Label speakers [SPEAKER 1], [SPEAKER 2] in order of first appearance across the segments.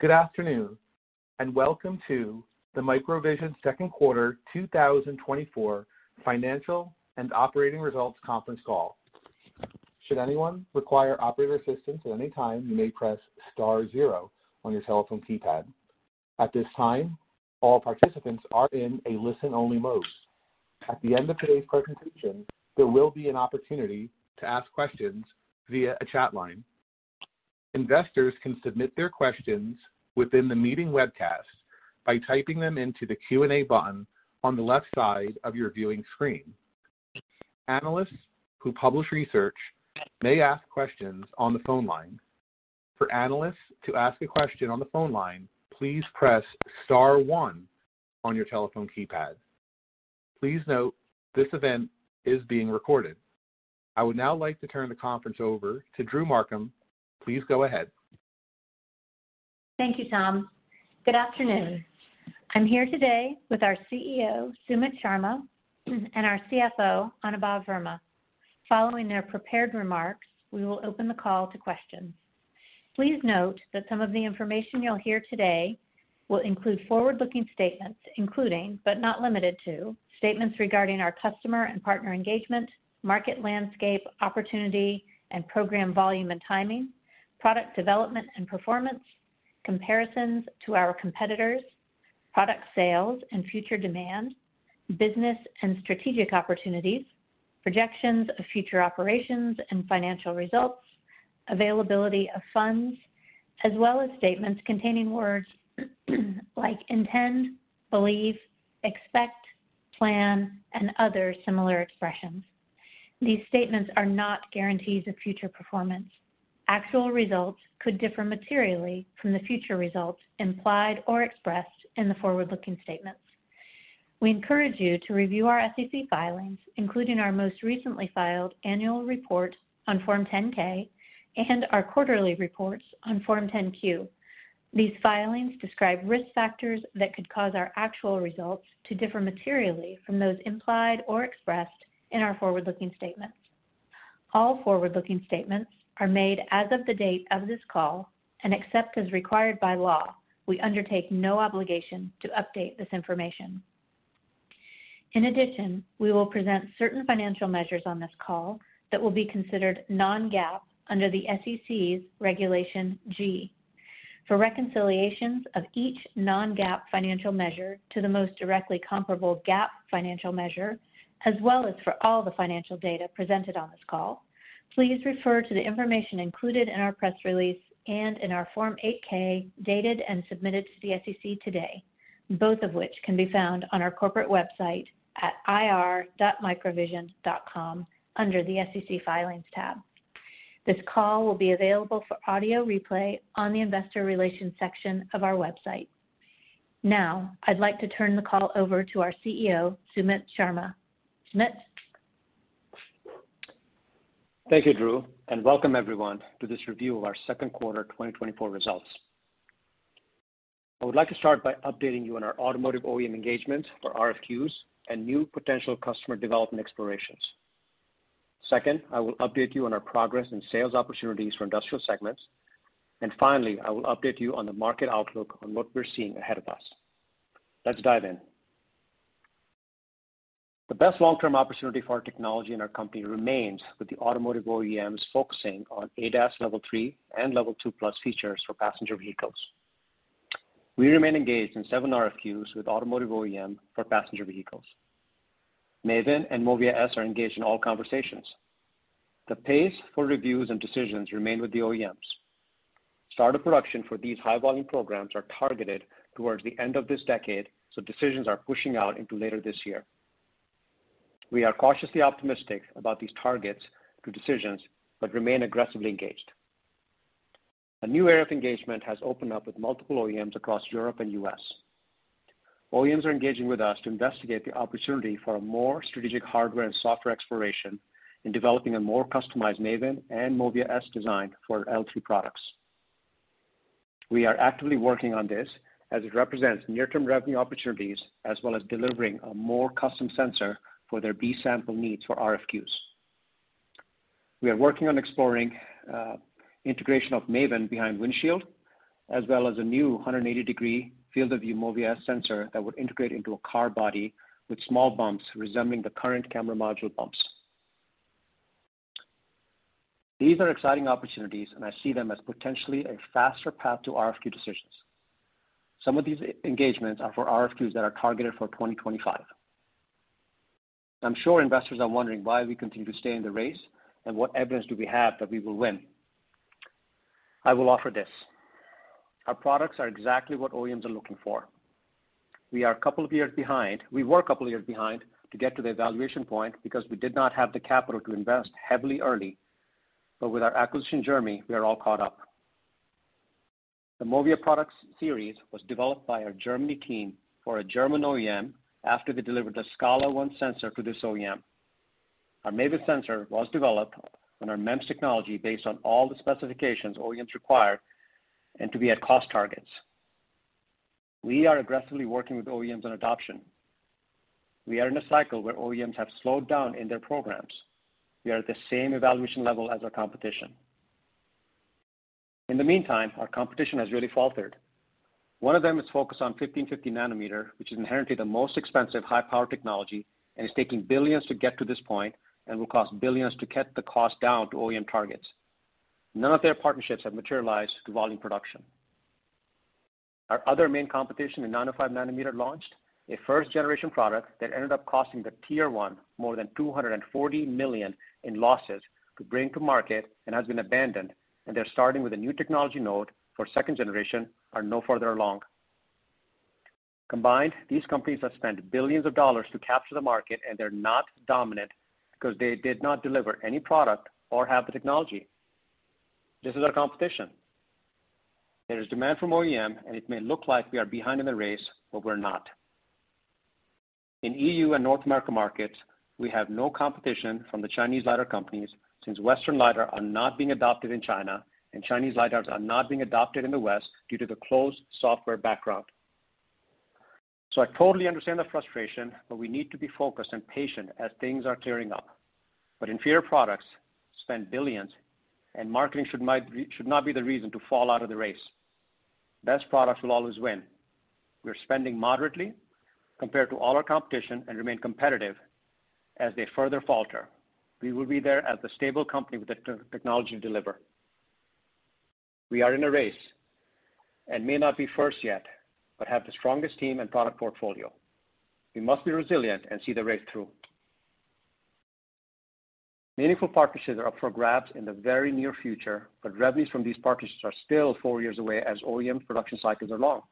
[SPEAKER 1] Good afternoon, and welcome to the MicroVision Q2 2024 financial and operating results conference call. Should anyone require operator assistance at any time, you may press star zero on your telephone keypad. At this time, all participants are in a listen-only mode. At the end of today's presentation, there will be an opportunity to ask questions via a chat line. Investors can submit their questions within the meeting webcast by typing them into the Q&A button on the left side of your viewing screen. Analysts who publish research may ask questions on the phone line. For analysts to ask a question on the phone line, please press star one on your telephone keypad. Please note, this event is being recorded. I would now like to turn the conference over to Drew Markham. Please go ahead.
[SPEAKER 2] Thank you, Tom. Good afternoon. I'm here today with our CEO, Sumit Sharma, and our CFO, Anubhav Verma. Following their prepared remarks, we will open the call to questions. Please note that some of the information you'll hear today will include forward-looking statements, including, but not limited to, statements regarding our customer and partner engagement, market landscape, opportunity, and program volume and timing, product development and performance, comparisons to our competitors, product sales and future demand, business and strategic opportunities, projections of future operations and financial results, availability of funds, as well as statements containing words like intend, believe, expect, plan, and other similar expressions. These statements are not guarantees of future performance. Actual results could differ materially from the future results implied or expressed in the forward-looking statements. We encourage you to review our SEC filings, including our most recently filed annual report on Form 10-K and our quarterly reports on Form 10-Q. These filings describe risk factors that could cause our actual results to differ materially from those implied or expressed in our forward-looking statements. All forward-looking statements are made as of the date of this call, and except as required by law, we undertake no obligation to update this information. In addition, we will present certain financial measures on this call that will be considered non-GAAP under the SEC's Regulation G. For reconciliations of each non-GAAP financial measure to the most directly comparable GAAP financial measure, as well as for all the financial data presented on this call, please refer to the information included in our press release and in our Form 8-K, dated and submitted to the SEC today, both of which can be found on our corporate website at ir.microvision.com under the SEC Filings tab. This call will be available for audio replay on the investor relations section of our website. Now, I'd like to turn the call over to our CEO, Sumit Sharma. Sumit?
[SPEAKER 3] Thank you, Drew, and welcome everyone to this review of our Q2 2024 results. I would like to start by updating you on our automotive OEM engagement for RFQs and new potential customer development explorations. Second, I will update you on our progress and sales opportunities for industrial segments. Finally, I will update you on the market outlook on what we're seeing ahead of us. Let's dive in. The best long-term opportunity for our technology and our company remains with the automotive OEMs focusing on ADAS Level 3 and Level 2+ features for passenger vehicles. We remain engaged in 7 RFQs with automotive OEM for passenger vehicles. MAVIN and MOVIA S are engaged in all conversations. The pace for reviews and decisions remain with the OEMs. Start of production for these high-volume programs are targeted towards the end of this decade, so decisions are pushing out into later this year. We are cautiously optimistic about these targets to decisions, but remain aggressively engaged. A new era of engagement has opened up with multiple OEMs across Europe and U.S. OEMs are engaging with us to investigate the opportunity for a more strategic hardware and software exploration in developing a more customized MAVIN and MOVIA S design for L3 products. We are actively working on this as it represents near-term revenue opportunities, as well as delivering a more custom sensor for their B-sample needs for RFQs. We are working on exploring integration of MAVIN behind windshield, as well as a new 180-degree field of view MOVIA S sensor that would integrate into a car body with small bumps resembling the current camera module bumps. These are exciting opportunities, and I see them as potentially a faster path to RFQ decisions. Some of these e-engagements are for RFQs that are targeted for 2025. I'm sure investors are wondering why we continue to stay in the race and what evidence do we have that we will win? I will offer this: Our products are exactly what OEMs are looking for. We are a couple of years behind... We were a couple of years behind to get to the evaluation point because we did not have the capital to invest heavily early. But with our acquisition in Germany, we are all caught up. The MOVIA products series was developed by our Germany team for a German OEM after they delivered a SCALA 1 sensor to this OEM. Our MAVIN sensor was developed on our MEMS technology based on all the specifications OEMs required and to be at cost targets. We are aggressively working with OEMs on adoption. We are in a cycle where OEMs have slowed down in their programs. We are at the same evaluation level as our competition. In the meantime, our competition has really faltered. One of them is focused on 1,550 nanometer, which is inherently the most expensive high-power technology, and it's taking billions to get to this point and will cost billions to get the cost down to OEM targets. None of their partnerships have materialized to volume production. Our other main competition in 905-nanometer launched a first-generation product that ended up costing the Tier 1 more than $240 million in losses to bring to market and has been abandoned, and they're starting with a new technology node for second generation and are no further along. Combined, these companies have spent billions of dollars to capture the market, and they're not dominant because they did not deliver any product or have the technology. This is our competition. There is demand from OEM, and it may look like we are behind in the race, but we're not. In EU and North America markets, we have no competition from the Chinese LiDAR companies since Western LiDARs are not being adopted in China, and Chinese LiDARs are not being adopted in the West due to the closed software background. So I totally understand the frustration, but we need to be focused and patient as things are clearing up. But inferior products spend billions, and marketing should not be the reason to fall out of the race. Best products will always win. We're spending moderately compared to all our competition and remain competitive as they further falter. We will be there as the stable company with the technology to deliver. We are in a race and may not be first yet, but have the strongest team and product portfolio. We must be resilient and see the race through. Meaningful partnerships are up for grabs in the very near future, but revenues from these partnerships are still four years away as OEM production cycles are long.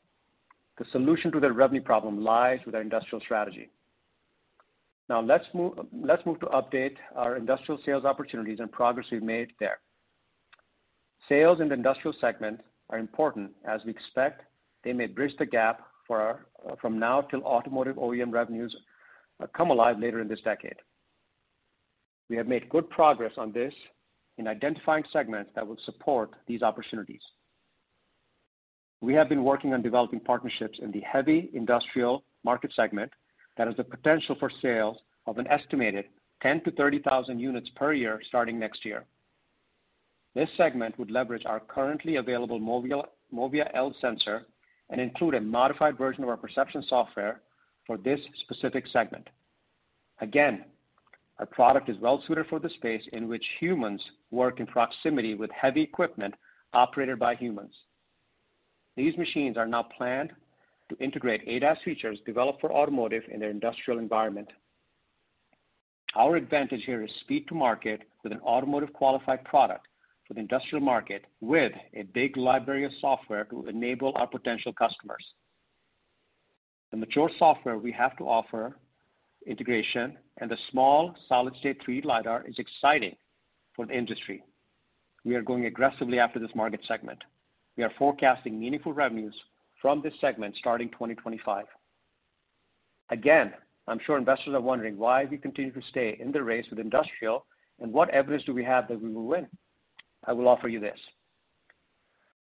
[SPEAKER 3] The solution to the revenue problem lies with our industrial strategy. Now, let's move, let's move to update our industrial sales opportunities and progress we've made there. Sales in the industrial segment are important, as we expect they may bridge the gap for our, from now till automotive OEM revenues come alive later in this decade. We have made good progress on this in identifying segments that will support these opportunities. We have been working on developing partnerships in the heavy industrial market segment that has the potential for sales of an estimated 10,000 to 30,000 units per year, starting next year. This segment would leverage our currently available MOVIA L sensor and include a modified version of our perception software for this specific segment. Again, our product is well suited for the space in which humans work in proximity with heavy equipment operated by humans. These machines are now planned to integrate ADAS features developed for automotive in their industrial environment. Our advantage here is speed to market with an automotive-qualified product for the industrial market, with a big library of software to enable our potential customers. The mature software we have to offer, integration, and the small solid-state 3D LiDAR is exciting for the industry. We are going aggressively after this market segment. We are forecasting meaningful revenues from this segment starting 2025. Again, I'm sure investors are wondering why we continue to stay in the race with industrial and what evidence do we have that we will win? I will offer you this.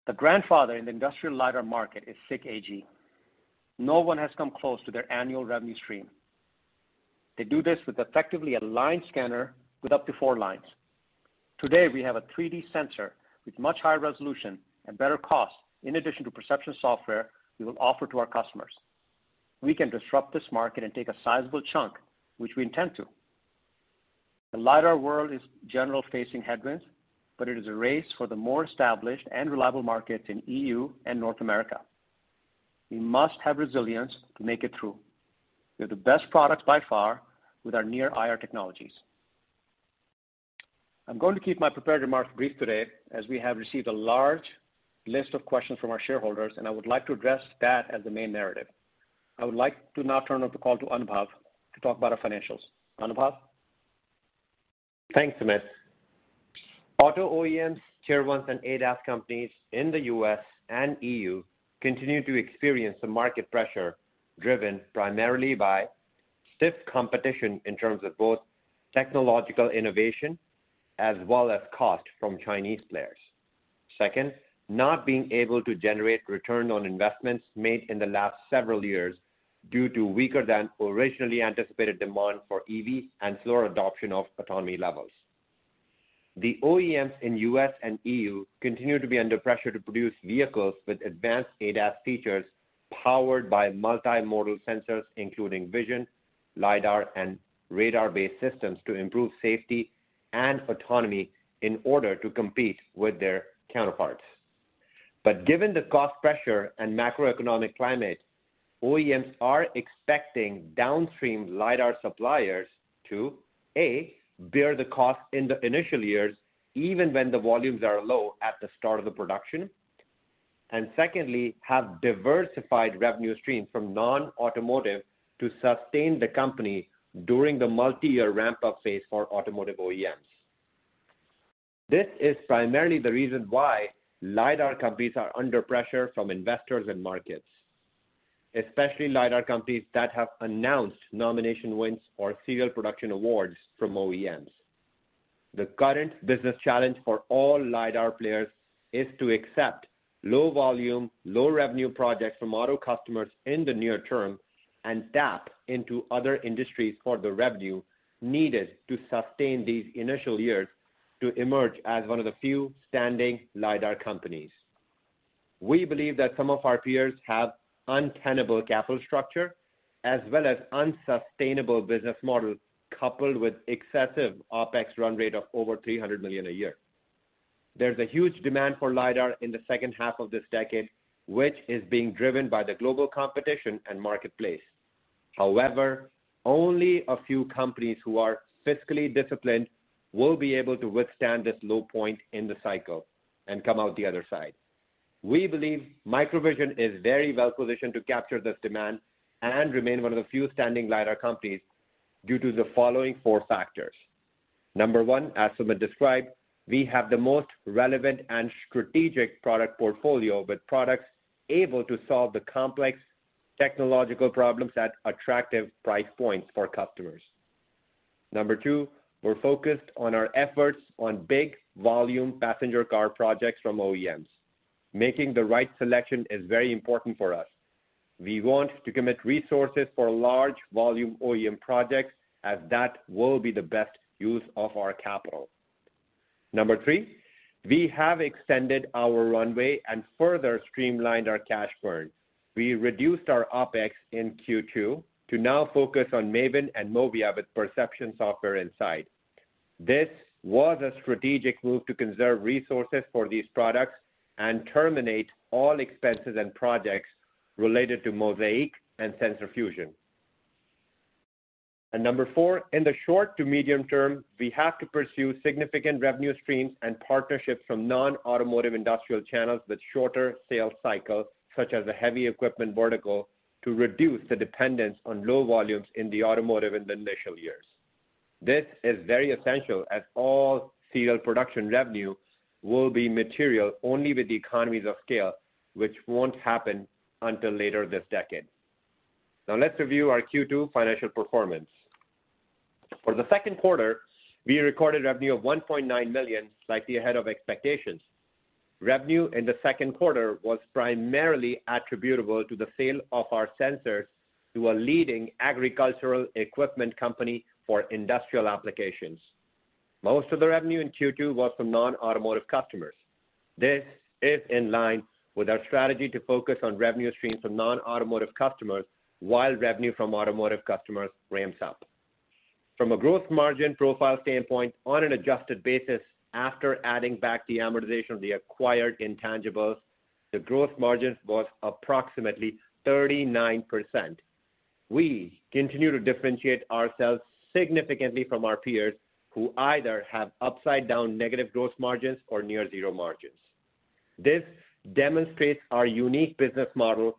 [SPEAKER 3] The grandfather in the industrial LiDAR market is SICK AG. No one has come close to their annual revenue stream. They do this with effectively a line scanner with up to four lines. Today, we have a 3D sensor with much higher resolution and better cost, in addition to perception software we will offer to our customers. We can disrupt this market and take a sizable chunk, which we intend to. The LiDAR world is generally facing headwinds, but it is a race for the more established and reliable markets in EU and North America. We must have resilience to make it through. We have the best products by far with our near eye technologies. I'm going to keep my prepared remarks brief today, as we have received a large list of questions from our shareholders, and I would like to address that as the main narrative. I would like to now turn off the call to Anubhav to talk about our financials. Anubhav?
[SPEAKER 4] Thanks, Sumit. Auto OEMs, Tier Ones, and ADAS companies in the U.S. and E.U. continue to experience some market pressure, driven primarily by stiff competition in terms of both technological innovation as well as cost from Chinese players. Second, not being able to generate return on investments made in the last several years due to weaker than originally anticipated demand for EV and slower adoption of autonomy levels. The OEMs in U.S. and E.U. continue to be under pressure to produce vehicles with advanced ADAS features, powered by multimodal sensors, including vision, LiDAR, and radar-based systems to improve safety and autonomy in order to compete with their counterparts. But given the cost pressure and macroeconomic climate, OEMs are expecting downstream LiDAR suppliers to, A, bear the cost in the initial years, even when the volumes are low at the start of the production. And secondly, have diversified revenue streams from non-automotive to sustain the company during the multi-year ramp-up phase for automotive OEMs. This is primarily the reason why LiDAR companies are under pressure from investors and markets, especially LiDAR companies that have announced nomination wins or serial production awards from OEMs. The current business challenge for all LiDAR players is to accept low volume, low revenue projects from auto customers in the near term, and tap into other industries for the revenue needed to sustain these initial years to emerge as one of the few standing LiDAR companies. We believe that some of our peers have untenable capital structure, as well as unsustainable business model, coupled with excessive OpEx run rate of over $300 million a year. There's a huge demand for LiDAR in the second half of this decade, which is being driven by the global competition and marketplace. However, only a few companies who are fiscally disciplined will be able to withstand this low point in the cycle and come out the other side. We believe MicroVision is very well positioned to capture this demand and remain one of the few standing LiDAR companies due to the following four factors. Number one, as Sumit described, we have the most relevant and strategic product portfolio, with products able to solve the complex technological problems at attractive price points for customers. Number two, we're focused on our efforts on big volume passenger car projects from OEMs. Making the right selection is very important for us. We want to commit resources for large volume OEM projects, as that will be the best use of our capital. Number three, we have extended our runway and further streamlined our cash burn. We reduced our OpEx in Q2 to now focus on MAVIN and MOVIA, with perception software inside. This was a strategic move to conserve resources for these products and terminate all expenses and projects related to MOSAIK and sensor fusion. Number 4, in the short to medium term, we have to pursue significant revenue streams and partnerships from non-automotive industrial channels with shorter sales cycles, such as the heavy equipment vertical, to reduce the dependence on low volumes in the automotive in the initial years. This is very essential, as all serial production revenue will be material only with the economies of scale, which won't happen until later this decade. Now, let's review our Q2 financial performance. For the Q2, we recorded revenue of $1.9 million, slightly ahead of expectations. Revenue in the Q2 was primarily attributable to the sale of our sensors to a leading agricultural equipment company for industrial applications. Most of the revenue in Q2 was from non-automotive customers. This is in line with our strategy to focus on revenue streams from non-automotive customers, while revenue from automotive customers ramps up. From a gross margin profile standpoint, on an adjusted basis, after adding back the amortization of the acquired intangibles, the gross margin was approximately 39%. We continue to differentiate ourselves significantly from our peers, who either have upside-down negative gross margins or near zero margins. This demonstrates our unique business model,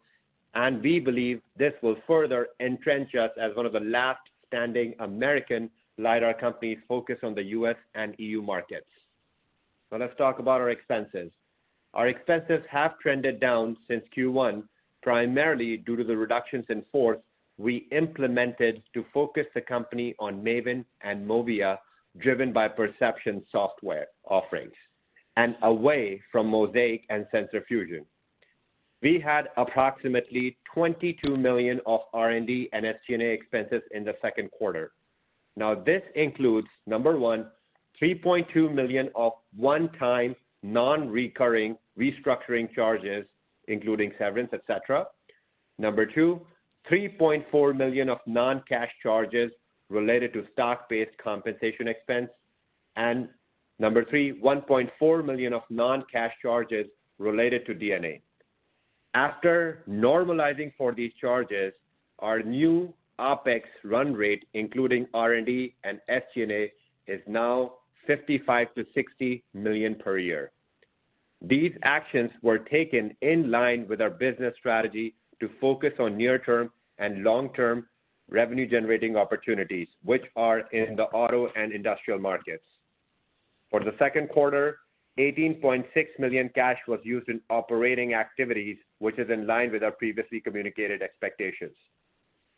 [SPEAKER 4] and we believe this will further entrench us as one of the last standing American LiDAR companies focused on the U.S. and EU markets. So let's talk about our expenses. Our expenses have trended down since Q1, primarily due to the reductions in force we implemented to focus the company on MAVIN and MOVIA, driven by perception software offerings, and away from MOSAIK and sensor fusion. We had approximately $22 million of R&D and SG&A expenses in the Q2. Now, this includes, number one, $3.2 million of one-time, non-recurring restructuring charges, including severance, et cetera. Number two, $3.4 million of non-cash charges related to stock-based compensation expense. And number three, $1.4 million of non-cash charges related to D&A. After normalizing for these charges, our new OpEx run rate, including R&D and SG&A, is now $55 million to 60 million per year. These actions were taken in line with our business strategy to focus on near-term and long-term revenue-generating opportunities, which are in the auto and industrial markets. For the Q2, $18.6 million cash was used in operating activities, which is in line with our previously communicated expectations.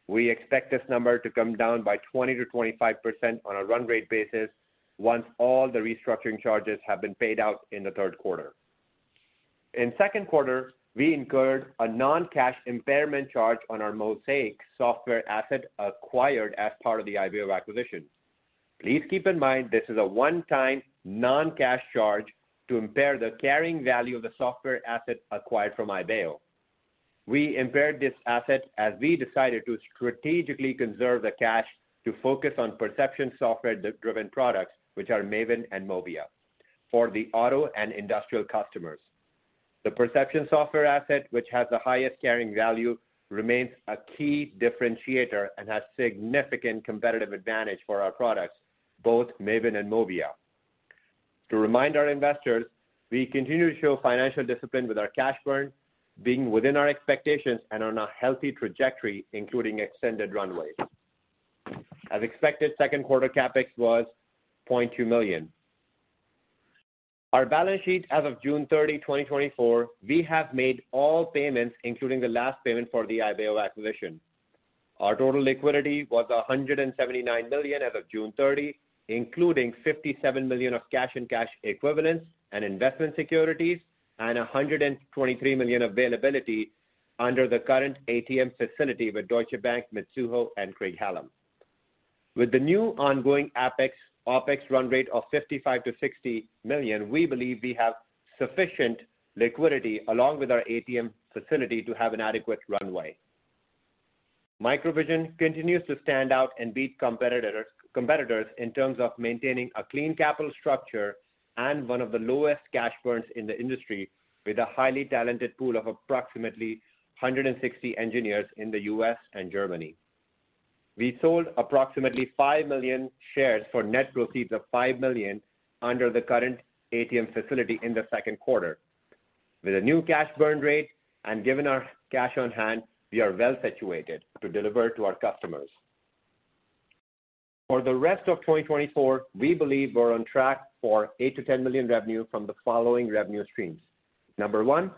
[SPEAKER 4] We expect this number to come down by 20% to 25% on a run rate basis once all the restructuring charges have been paid out in the Q3. In Q2, we incurred a non-cash impairment charge on our MOSAIK software asset acquired as part of the Ibeo acquisition. Please keep in mind, this is a one-time, non-cash charge to impair the carrying value of the software asset acquired from Ibeo. We impaired this asset as we decided to strategically conserve the cash to focus on perception software driven products, which are MAVIN and MOVIA, for the auto and industrial customers. The perception software asset, which has the highest carrying value, remains a key differentiator and has significant competitive advantage for our products, both MAVIN and MOVIA. To remind our investors, we continue to show financial discipline with our cash burn being within our expectations and on a healthy trajectory, including extended runway. As expected, Q2 CapEx was $0.2 million. Our balance sheet as of June 30, 2024, we have made all payments, including the last payment for the Ibeo acquisition. Our total liquidity was $179 million as of June 30, including $57 million of cash and cash equivalents and investment securities, and $123 million availability under the current ATM facility with Deutsche Bank, Mizuho, and Craig-Hallum. With the new ongoing OpEx run rate of $55 million to 60 million, we believe we have sufficient liquidity, along with our ATM facility, to have an adequate runway. MicroVision continues to stand out and beat competitors in terms of maintaining a clean capital structure and one of the lowest cash burns in the industry, with a highly talented pool of approximately 160 engineers in the U.S. and Germany. We sold approximately 5 million shares for net proceeds of $5 million under the current ATM facility in the Q2. With a new cash burn rate and given our cash on hand, we are well situated to deliver to our customers. For the rest of 2024, we believe we're on track for $8 million to 10 million revenue from the following revenue streams. 1,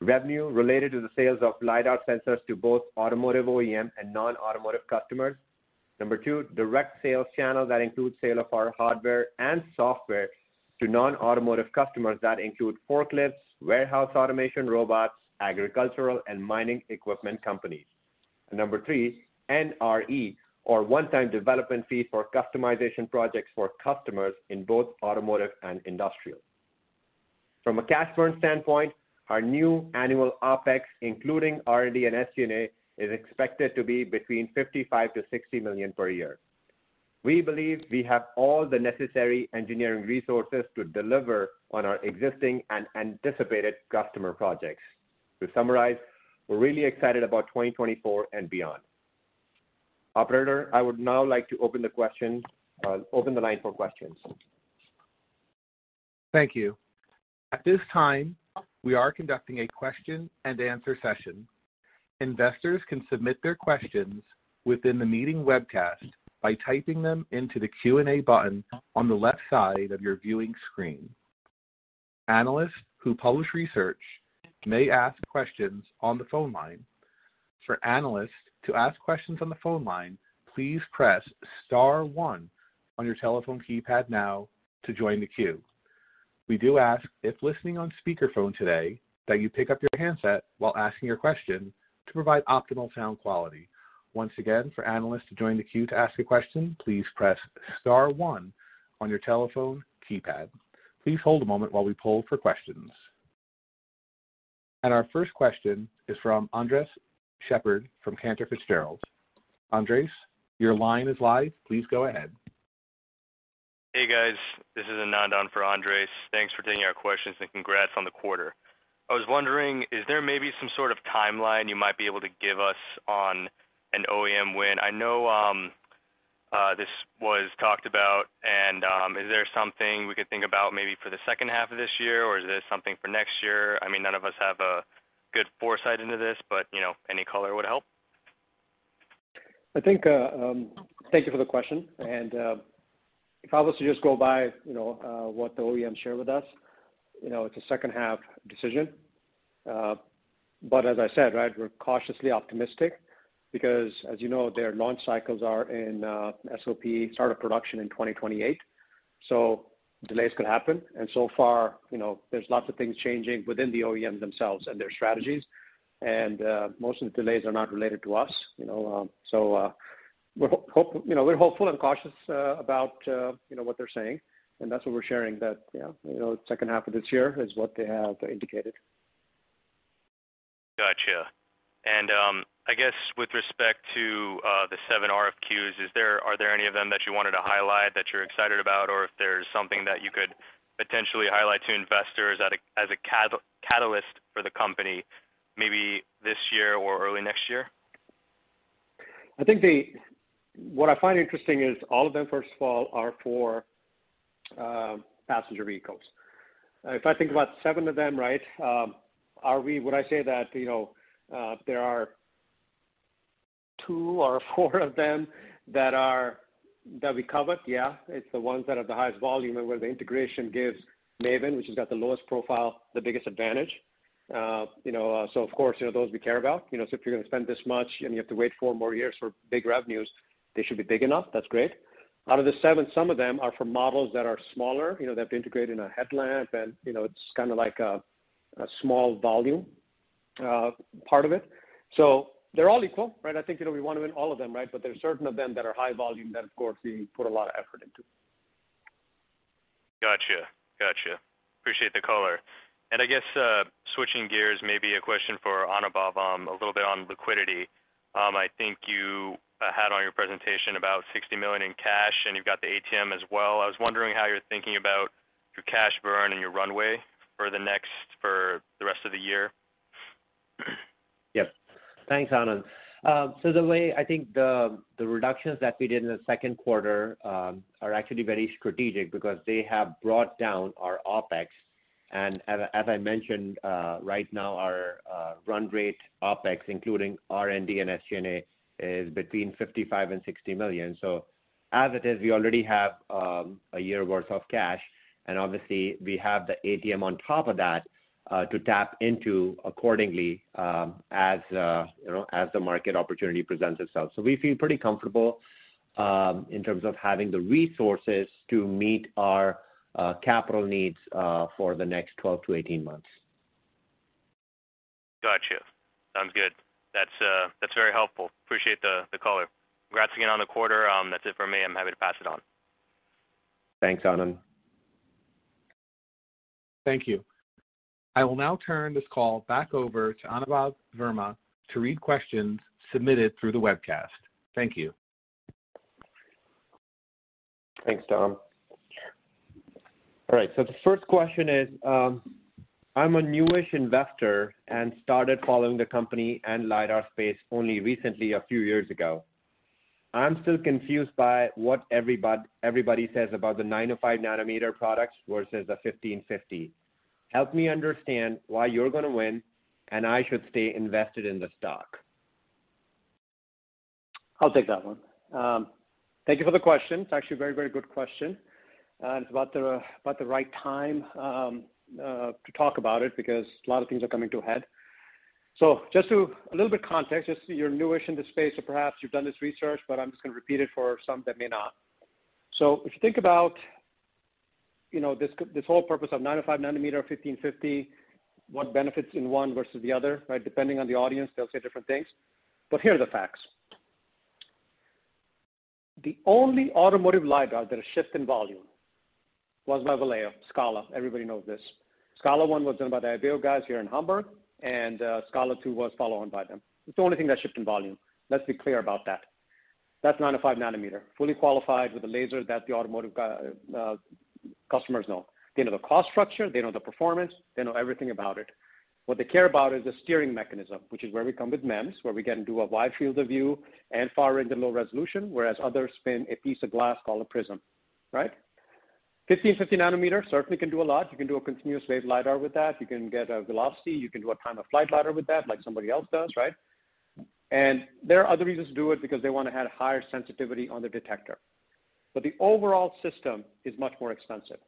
[SPEAKER 4] revenue related to the sales of LiDAR sensors to both automotive OEM and non-automotive customers. 2, direct sales channels that include sale of our hardware and software to non-automotive customers that include forklifts, warehouse automation robots, agricultural and mining equipment companies. 3, NRE, or one-time development fee for customization projects for customers in both automotive and industrial. From a cash burn standpoint, our new annual OpEx, including R&D and SG&A, is expected to be between $55 million to 60 million per year. We believe we have all the necessary engineering resources to deliver on our existing and anticipated customer projects. To summarize, we're really excited about 2024 and beyond. Operator, I would now like to open the questions, open the line for questions.
[SPEAKER 1] Thank you. At this time, we are conducting a Q&A session. Investors can submit their questions within the meeting webcast by typing them into the Q&A button on the left side of your viewing screen. Analysts who publish research may ask questions on the phone line. For analysts to ask questions on the phone line, please press star one on your telephone keypad now to join the queue. We do ask, if listening on speakerphone today, that you pick up your handset while asking your question to provide optimal sound quality. Once again, for analysts to join the queue to ask a question, please press star one on your telephone keypad. Please hold a moment while we poll for questions. Our first question is from Andres Sheppard from Cantor Fitzgerald. Andres, your line is live. Please go ahead.
[SPEAKER 5] Hey, guys, this is Anand on for Andres. Thanks for taking our questions and congrats on the quarter. I was wondering, is there maybe some sort of timeline you might be able to give us on an OEM win? I know, this was talked about, and, is there something we could think about maybe for the second half of this year, or is this something for next year? I mean, none of us have a good foresight into this, but, you know, any color would help.
[SPEAKER 3] I think, thank you for the question. If I was to just go by, you know, what the OEM shared with us, you know, it's a second half decision. But as I said, right, we're cautiously optimistic because, as you know, their launch cycles are in, SOP, start of production in 2028, so delays could happen. And so far, you know, there's lots of things changing within the OEM themselves and their strategies. Most of the delays are not related to us, you know, so, we're hopeful and cautious, about, you know, what they're saying, and that's what we're sharing, that, you know, you know, second half of this year is what they have indicated.
[SPEAKER 5] Gotcha. And, I guess with respect to the seven RFQs, are there any of them that you wanted to highlight that you're excited about, or if there's something that you could potentially highlight to investors at a, as a catalyst for the company, maybe this year or early next year?
[SPEAKER 3] What I find interesting is all of them, first of all, are for passenger vehicles. If I think about 7 of them, right, would I say that, you know, there are 2 or 4 of them that are, that we covered? Yeah, it's the ones that have the highest volume and where the integration gives MAVIN, which has got the lowest profile, the biggest advantage. You know, so of course, you know, those we care about. You know, so if you're gonna spend this much, and you have to wait 4 more years for big revenues, they should be big enough. That's great. Out of the 7, some of them are for models that are smaller, you know, they have to integrate in a headlamp, and, you know, it's kind of like a small volume part of it. So they're all equal, right? I think, you know, we want to win all of them, right? But there are certain of them that are high volume that, of course, we put a lot of effort into.
[SPEAKER 5] Gotcha. Gotcha. Appreciate the color. I guess, switching gears, maybe a question for Anubhav, a little bit on liquidity. I think you had on your presentation about $60 million in cash, and you've got the ATM as well. I was wondering how you're thinking about your cash burn and your runway for the next, for the rest of the year?
[SPEAKER 4] Yep. Thanks, Anand. So the way I think the, the reductions that we did in the Q2, are actually very strategic because they have brought down our OpEx. And as, as I mentioned, right now, our, run rate OpEx, including R&D and SG&A, is between $55 million to 60 million. As it is, we already have, a year worth of cash, and obviously, we have the ATM on top of that, to tap into accordingly, as, you know, as the market opportunity presents itself. So we feel pretty comfortable, in terms of having the resources to meet our, capital needs, for the next 12 to 18 months.
[SPEAKER 5] Got you. Sounds good. That's, that's very helpful. Appreciate the color. Congrats again on the quarter. That's it for me. I'm happy to pass it on.
[SPEAKER 4] Thanks, Anand.
[SPEAKER 1] Thank you. I will now turn this call back over to Anubhav Verma to read questions submitted through the webcast. Thank you.
[SPEAKER 4] Thanks, Tom. All right, so the first question is: I'm a newish investor and started following the company and LiDAR space only recently, a few years ago. I'm still confused by what everybody, everybody says about the 905 nanometer products versus the 1550. Help me understand why you're gonna win, and I should stay invested in the stock.
[SPEAKER 3] I'll take that one. Thank you for the question. It's actually a very, very good question, and it's about the right time to talk about it because a lot of things are coming to a head. So just a little bit of context, since you're newish in this space, so perhaps you've done this research, but I'm just gonna repeat it for some that may not. So if you think about, you know, this whole purpose of 905 nanometer, 1550, what benefits in one versus the other, right? Depending on the audience, they'll say different things. But here are the facts. The only automotive LiDAR that has shipped in volume was Valeo SCALA. Everybody knows this. SCALA 1 was done by the Ibeo guys here in Hamburg, and SCALA 2 was followed on by them. It's the only thing that shipped in volume. Let's be clear about that. That's 905 nanometer, fully qualified with a laser that the automotive customers know. They know the cost structure, they know the performance, they know everything about it. What they care about is the steering mechanism, which is where we come with MEMS, where we can do a wide field of view and far into low resolution, whereas others spin a piece of glass called a prism, right? 1550 nanometer certainly can do a lot. You can do a continuous wave LiDAR with that. You can get a velocity, you can do a time of flight LiDAR with that, like somebody else does, right? And there are other reasons to do it, because they wanna have higher sensitivity on the detector. But the overall system is much more expensive.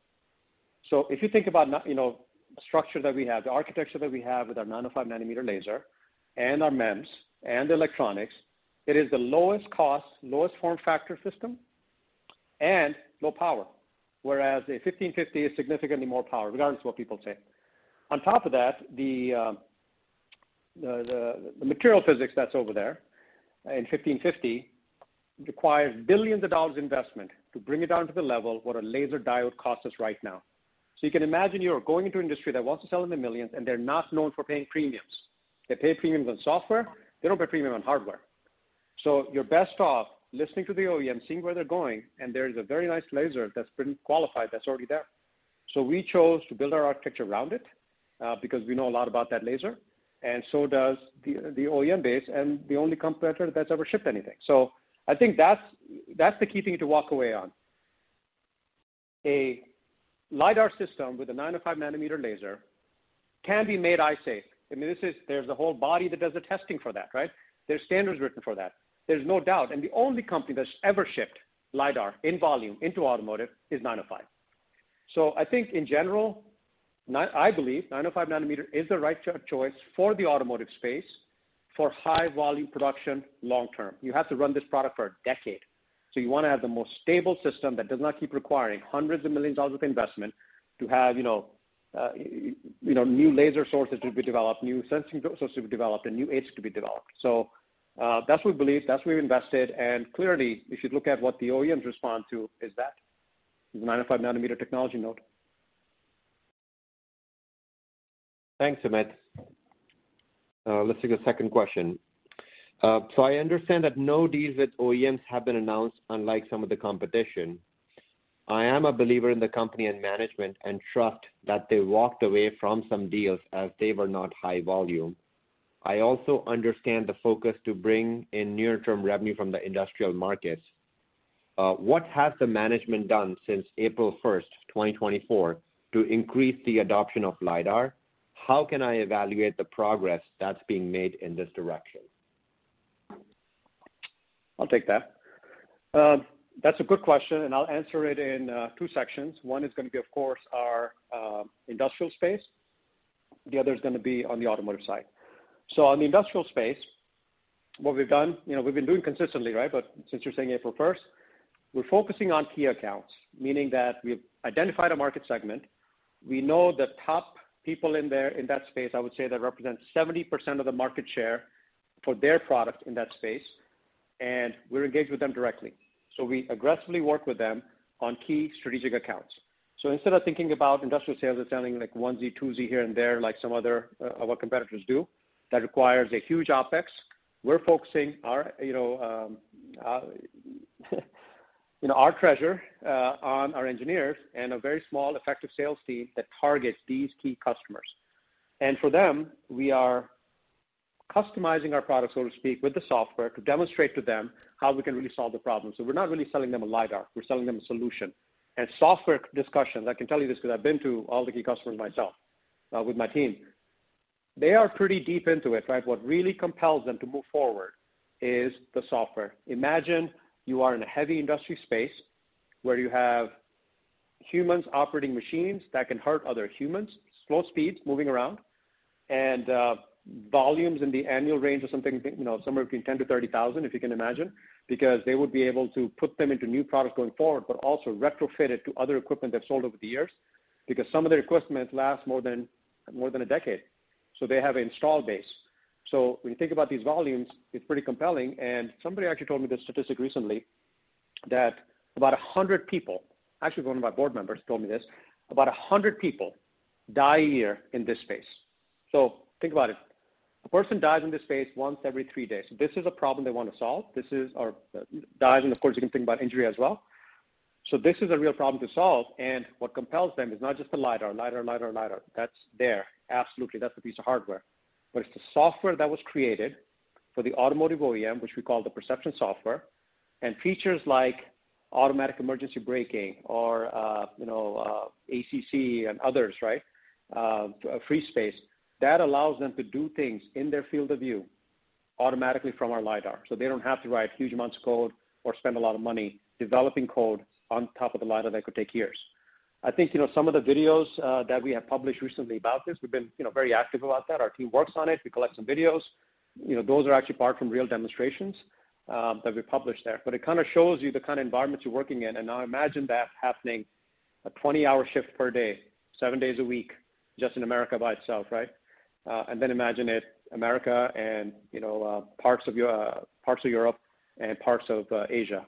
[SPEAKER 3] So if you think about, you know, the structure that we have, the architecture that we have with our 905 nm laser and our MEMS and electronics, it is the lowest cost, lowest form factor system and low power, whereas a 1550 nm is significantly more power, regardless of what people say. On top of that, the material physics that's over there in 1550 nm requires billions of dollars of investment to bring it down to the level what a laser diode costs us right now. So you can imagine you're going into an industry that wants to sell in the millions, and they're not known for paying premiums. They pay premiums on software, they don't pay premium on hardware. So you're best off listening to the OEM, seeing where they're going, and there is a very nice laser that's been qualified, that's already there. So we chose to build our architecture around it, because we know a lot about that laser, and so does the OEM base and the only competitor that's ever shipped anything. So I think that's, that's the key thing to walk away on. A LiDAR system with a 905 nanometer laser can be made eye safe. I mean, this is. There's a whole body that does the testing for that, right? There's standards written for that. There's no doubt. And the only company that's ever shipped LiDAR in volume into automotive is 905. So I think in general, I believe 905 nanometer is the right choice for the automotive space, for high volume production long term. You have to run this product for a decade, so you wanna have the most stable system that does not keep requiring hundreds of millions of dollars of investment to have, you know, you know, new laser sources to be developed, new sensing sources to be developed, and new aids to be developed. So, that's we believe, that's we've invested, and clearly, if you look at what the OEMs respond to, is that, the 905 nanometer technology node.
[SPEAKER 4] Thanks, Sumit. Let's take a second question. I understand that no deals with OEMs have been announced unlike some of the competition. I am a believer in the company and management and trust that they walked away from some deals as they were not high volume. I also understand the focus to bring in near-term revenue from the industrial markets. What has the management done since April 1, 2024, to increase the adoption of LiDAR? How can I evaluate the progress that's being made in this direction?
[SPEAKER 3] I'll take that. That's a good question, and I'll answer it in two sections. One is gonna be, of course, our industrial space, the other is gonna be on the automotive side. So on the industrial space, what we've done, you know, we've been doing consistently, right? But since you're saying April first, we're focusing on key accounts, meaning that we've identified a market segment. We know the top people in there, in that space, I would say, that represent 70% of the market share for their product in that space, and we're engaged with them directly. So we aggressively work with them on key strategic accounts. So instead of thinking about industrial sales as sounding like onesie, twosie here and there, like some other what competitors do, that requires a huge OpEx, we're focusing our, you know, you know, our treasure on our engineers and a very small effective sales team that targets these key customers. And for them, we are customizing our product, so to speak, with the software, to demonstrate to them how we can really solve the problem. So we're not really selling them a LiDAR, we're selling them a solution. And software discussions, I can tell you this, because I've been to all the key customers myself, with my team. They are pretty deep into it, right? What really compels them to move forward is the software. Imagine you are in a heavy industry space where you have humans operating machines that can hurt other humans, slow speeds moving around, and volumes in the annual range of something, you know, somewhere between 10,000 to 30,000, if you can imagine. Because they would be able to put them into new products going forward, but also retrofit it to other equipment they've sold over the years, because some of their equipment last more than a decade, so they have an install base. So when you think about these volumes, it's pretty compelling. And somebody actually told me this statistic recently, that about 100 people, actually one of my board members told me this, about 100 people die a year in this space. So think about it, a person dies in this space once every three days. This is a problem they want to solve. This is or, dies, and of course, you can think about injury as well. So this is a real problem to solve, and what compels them is not just the LiDAR, LiDAR, LiDAR, LiDAR. That's there. Absolutely, that's a piece of hardware. But it's the software that was created for the automotive OEM, which we call the perception software, and features like automatic emergency braking or, you know, ACC and others, right? Free space. That allows them to do things in their field of view automatically from our LiDAR, so they don't have to write huge amounts of code or spend a lot of money developing code on top of the LiDAR that could take years. I think, you know, some of the videos that we have published recently about this, we've been, you know, very active about that. Our team works on it. We collect some videos. You know, those are actually part from real demonstrations that we published there. But it kind of shows you the kind of environments you're working in. And now imagine that happening a 20 hour shift per day, 7 days a week, just in America by itself, right? And then imagine if America and, you know, parts of Europe and parts of Asia.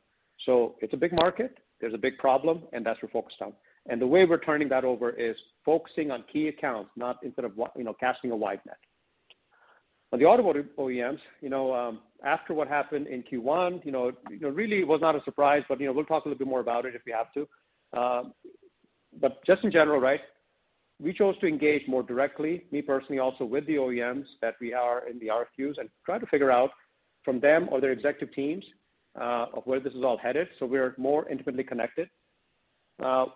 [SPEAKER 3] So it's a big market. There's a big problem, and that's we're focused on. And the way we're turning that over is focusing on key accounts, not instead of what, you know, casting a wide net. On the automotive OEMs, you know, after what happened in Q1, you know, it really was not a surprise, but, you know, we'll talk a little bit more about it if we have to. But just in general, right, we chose to engage more directly, me personally also, with the OEMs that we are in the RFQs and try to figure out from them or their executive teams, of where this is all headed, so we're more intimately connected.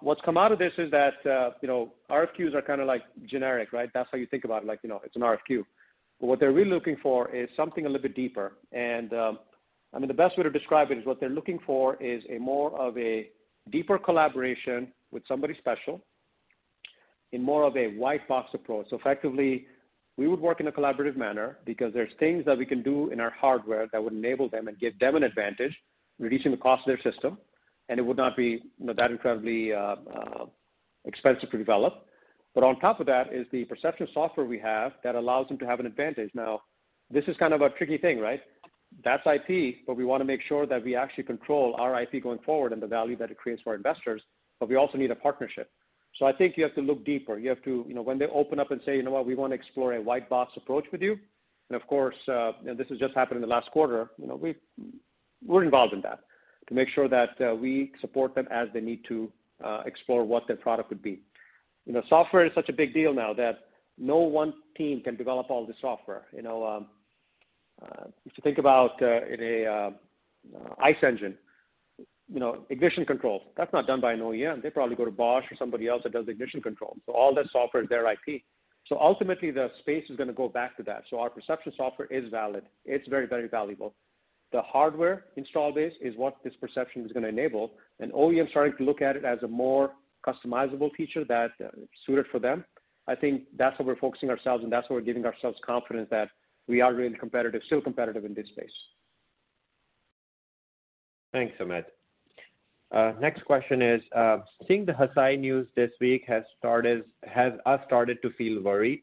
[SPEAKER 3] What's come out of this is that, you know, RFQs are kind of, like, generic, right? That's how you think about it, like, you know, it's an RFQ. But what they're really looking for is something a little bit deeper. I mean, the best way to describe it is what they're looking for is a more of a deeper collaboration with somebody special in more of a white box approach. So effectively, we would work in a collaborative manner because there's things that we can do in our hardware that would enable them and give them an advantage, reducing the cost of their system, and it would not be, you know, that incredibly expensive to develop. But on top of that is the perception software we have that allows them to have an advantage. Now, this is kind of a tricky thing, right? That's IP, but we wanna make sure that we actually control our IP going forward and the value that it creates for our investors, but we also need a partnership. So I think you have to look deeper. You have to... You know, when they open up and say, "You know what? We want to explore a white box approach with you," and of course, and this has just happened in the last quarter, you know, we're involved in that to make sure that we support them as they need to explore what their product would be. You know, software is such a big deal now that no one team can develop all the software. You know, if you think about in a ICE engine, you know, ignition control, that's not done by an OEM. They probably go to Bosch or somebody else that does the ignition control. So all that software is their IP. So ultimately, the space is gonna go back to that. So our perception software is valid. It's very, very valuable. The hardware install base is what this perception is gonna enable, and OEMs starting to look at it as a more customizable feature that suited for them. I think that's what we're focusing ourselves, and that's where we're giving ourselves confidence that we are really competitive, still competitive in this space.
[SPEAKER 4] Thanks, Sumit. Next question is: Seeing the Hesai news this week has started, has us started to feel worried.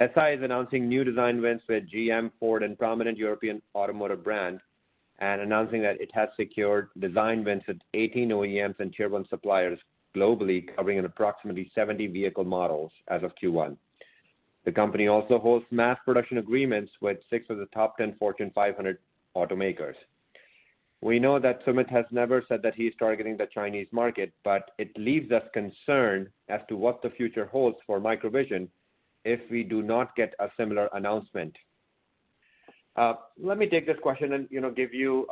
[SPEAKER 4] Hesai is announcing new design wins with GM, Ford, and prominent European automotive brand, and announcing that it has secured design wins with 18 OEMs and tier one suppliers globally, covering approximately 70 vehicle models as of Q1. The company also holds mass production agreements with 6 of the top 10 Fortune 500 automakers. We know that Sumit has never said that he's targeting the Chinese market, but it leaves us concerned as to what the future holds for MicroVision if we do not get a similar announcement. Let me take this question and, you know, give you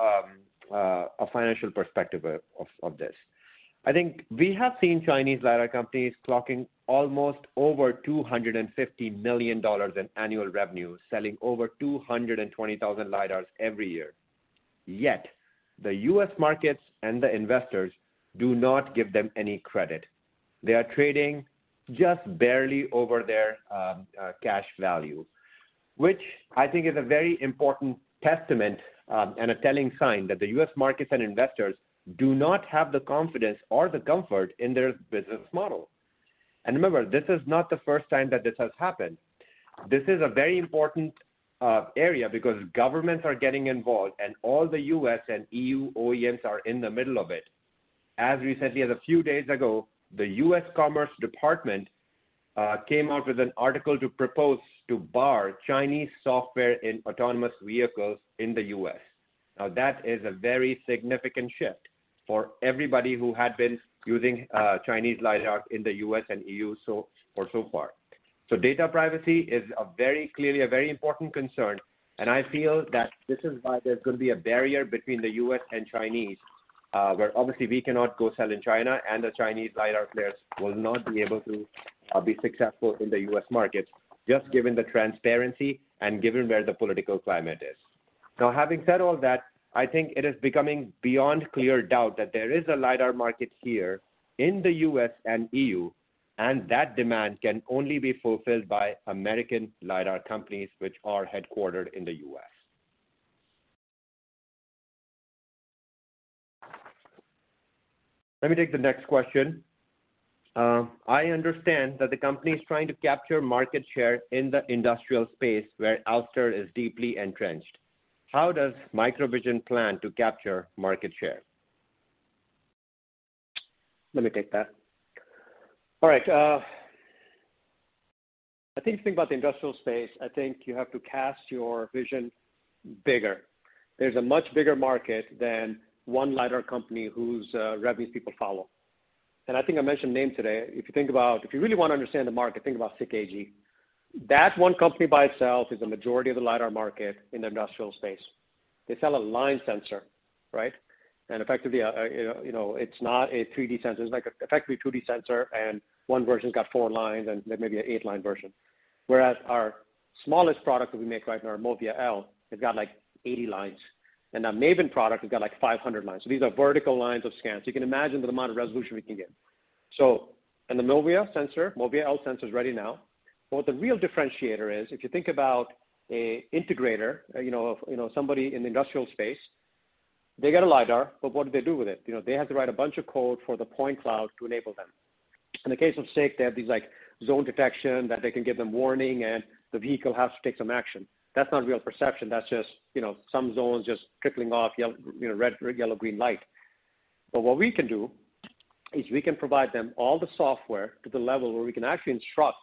[SPEAKER 4] a financial perspective of this. I think we have seen Chinese LiDAR companies clocking almost over $250 million in annual revenue, selling over 220,000 LiDARs every year. Yet, the U.S. markets and the investors do not give them any credit. They are trading just barely over their cash value, which I think is a very important testament, and a telling sign that the U.S. markets and investors do not have the confidence or the comfort in their business model. And remember, this is not the first time that this has happened. This is a very important area because governments are getting involved, and all the U.S. and E.U. OEMs are in the middle of it. As recently as a few days ago, the U.S. Commerce Department came out with an article to propose to bar Chinese software in autonomous vehicles in the U.S. Now, that is a very significant shift for everybody who had been using Chinese LiDAR in the U.S. and E.U. so far. So data privacy is a very clearly a very important concern, and I feel that this is why there's going to be a barrier between the U.S. and Chinese... where obviously we cannot go sell in China, and the Chinese LiDAR players will not be able to be successful in the U.S. market, just given the transparency and given where the political climate is. Now, having said all that, I think it is becoming beyond clear doubt that there is a LiDAR market here in the U.S. and E.U., and that demand can only be fulfilled by American LiDAR companies, which are headquartered in the U.S. Let me take the next question. I understand that the company is trying to capture market share in the industrial space where Ouster is deeply entrenched. How does MicroVision plan to capture market share?
[SPEAKER 3] Let me take that. All right, I think if you think about the industrial space, I think you have to cast your vision bigger. There's a much bigger market than one LiDAR company whose revenues people follow. And I think I mentioned names today. If you think about, if you really wanna understand the market, think about SICK AG. That one company by itself is the majority of the LiDAR market in the industrial space. They sell a line sensor, right? And effectively, you know, you know, it's not a 3D sensor. It's like a effectively 2D sensor, and one version's got 4 lines and there maybe an 8-line version. Whereas our smallest product that we make, right, our MOVIA L, has got, like, 80 lines. And our MAVIN product has got, like, 500 lines. So these are vertical lines of scans. You can imagine the amount of resolution we can get. So in the MOVIA L sensor, MOVIA L sensor is ready now. But what the real differentiator is, if you think about an integrator, you know, you know, somebody in the industrial space, they get a LiDAR, but what do they do with it? You know, they have to write a bunch of code for the point cloud to enable them. In the case of SICK, they have these, like, zone detection, that they can give them warning, and the vehicle has to take some action. That's not real perception. That's just, you know, some zones just trickling off yellow, you know, red, yellow, green light. But what we can do is we can provide them all the software to the level where we can actually instruct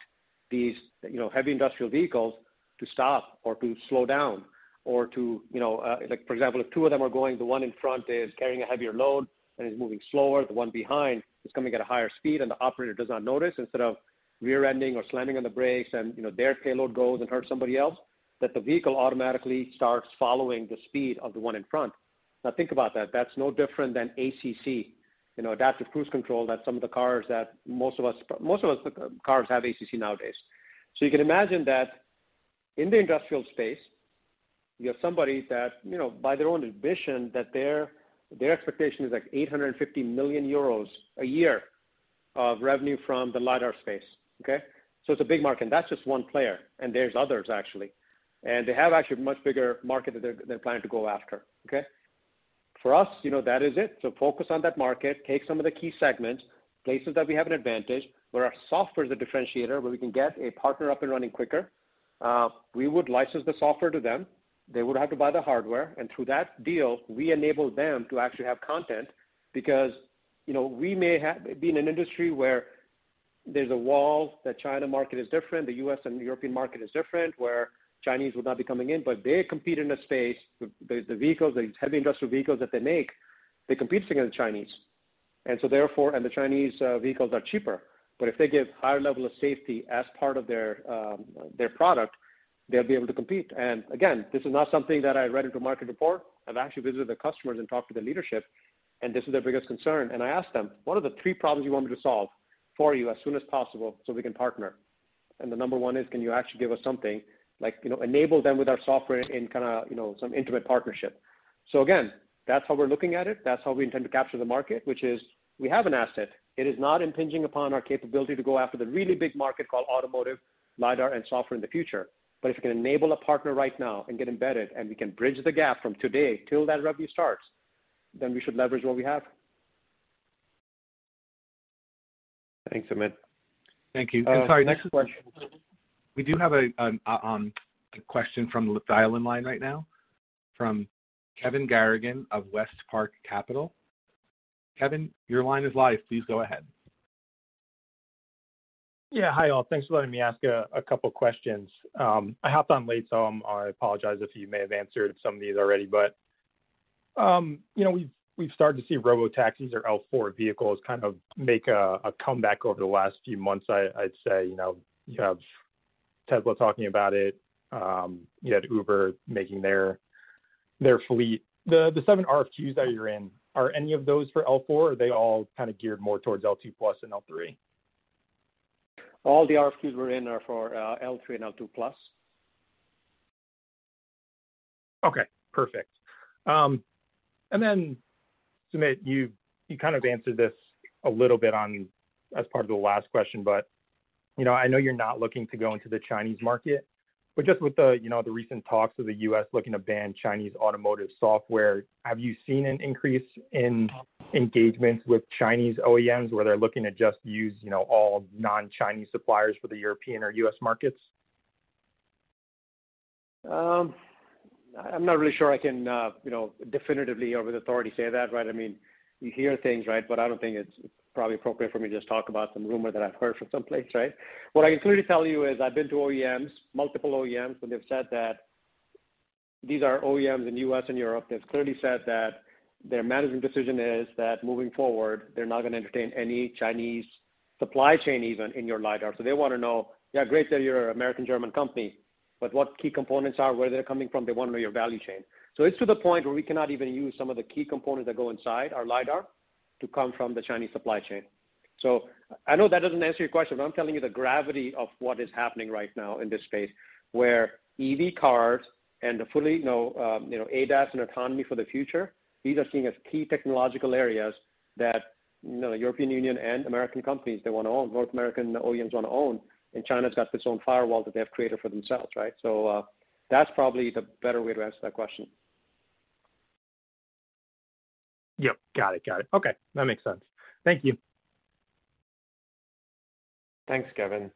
[SPEAKER 3] these, you know, heavy industrial vehicles to stop or to slow down or to, you know, like, for example, if two of them are going, the one in front is carrying a heavier load and is moving slower, the one behind is coming at a higher speed, and the operator does not notice. Instead of rear-ending or slamming on the brakes and, you know, their payload goes and hurts somebody else, that the vehicle automatically starts following the speed of the one in front. Now, think about that. That's no different than ACC, you know, adaptive cruise control, that some of the cars that most of us cars have ACC nowadays. So you can imagine that in the industrial space, you have somebody that, you know, by their own admission, that their, their expectation is, like, 850 million euros a year of revenue from the LiDAR space, okay? So it's a big market, and that's just one player, and there's others, actually. And they have actually a much bigger market that they're, they're planning to go after, okay? For us, you know, that is it. So focus on that market, take some of the key segments, places that we have an advantage, where our software is a differentiator, where we can get a partner up and running quicker. We would license the software to them. They would have to buy the hardware, and through that deal, we enable them to actually have content. Because, you know, we may have to be in an industry where there's a wall, the China market is different, the US and European market is different, where Chinese would not be coming in, but they compete in a space with the vehicles, the heavy industrial vehicles that they make, they compete against the Chinese. And so therefore, the Chinese vehicles are cheaper, but if they give higher level of safety as part of their their product, they'll be able to compete. And again, this is not something that I read in a market report. I've actually visited their customers and talked to their leadership, and this is their biggest concern. I asked them, "What are the three problems you want me to solve for you as soon as possible so we can partner?" The number one is, can you actually give us something like, you know, enable them with our software in kind of, you know, some intimate partnership. So again, that's how we're looking at it. That's how we intend to capture the market, which is we have an asset. It is not impinging upon our capability to go after the really big market called automotive, LiDAR, and software in the future. But if we can enable a partner right now and get embedded, and we can bridge the gap from today till that revenue starts, then we should leverage what we have.
[SPEAKER 4] Thanks, Sumit.
[SPEAKER 1] Thank you. And sorry, next question. We do have a question from the dial-in line right now, from Kevin Garrigan of WestPark Capital. Kevin, your line is live. Please go ahead.
[SPEAKER 6] Yeah. Hi, all. Thanks for letting me ask a couple questions. I hopped on late, so I apologize if you may have answered some of these already. But you know, we've started to see robotaxis or L4 vehicles kind of make a comeback over the last few months, I'd say. You know, you have Tesla talking about it. You had Uber making their fleet. The 7 RFQs that you're in, are any of those for L4, or are they all kind of geared more towards L2+ and L3?
[SPEAKER 3] All the RFQs we're in are for L3 and L2 plus.
[SPEAKER 6] Okay, perfect. And then, Sumit, you kind of answered this a little bit on as part of the last question, but, you know, I know you're not looking to go into the Chinese market, but just with the, you know, the recent talks of the US looking to ban Chinese automotive software, have you seen an increase in engagement with Chinese OEMs, where they're looking to just use, you know, all non-Chinese suppliers for the European or US markets?
[SPEAKER 3] I'm not really sure I can, you know, definitively or with authority say that, right? I mean, you hear things, right, but I don't think it's probably appropriate for me to just talk about some rumor that I've heard from some place, right? What I can clearly tell you is I've been to OEMs, multiple OEMs, and they've said that these are OEMs in U.S. and Europe, they've clearly said that their management decision is that moving forward, they're not gonna entertain any Chinese supply chain even in your LiDAR. So they wanna know, yeah, great that you're an American German company but what key components are, where they're coming from, they wanna know your value chain. So it's to the point where we cannot even use some of the key components that go inside our LiDAR to come from the Chinese supply chain. So I know that doesn't answer your question, but I'm telling you the gravity of what is happening right now in this space, where EV cars and the fully, you know, you know, ADAS and autonomy for the future, these are seen as key technological areas that, you know, the European Union and American companies, they wanna own. North American OEMs wanna own, and China's got its own firewall that they have created for themselves, right? So, that's probably the better way to answer that question.
[SPEAKER 6] Yep, got it. Got it. Okay, that makes sense. Thank you.
[SPEAKER 4] Thanks, Kevin.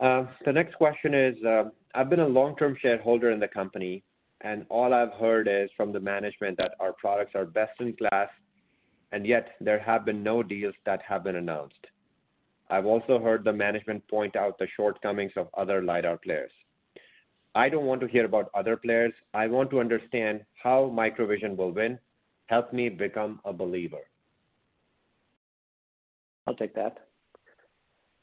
[SPEAKER 4] The next question is: I've been a long-term shareholder in the company, and all I've heard is from the management that our products are best in class, and yet there have been no deals that have been announced. I've also heard the management point out the shortcomings of other LiDAR players. I don't want to hear about other players, I want to understand how MicroVision will win. Help me become a believer.
[SPEAKER 3] I'll take that.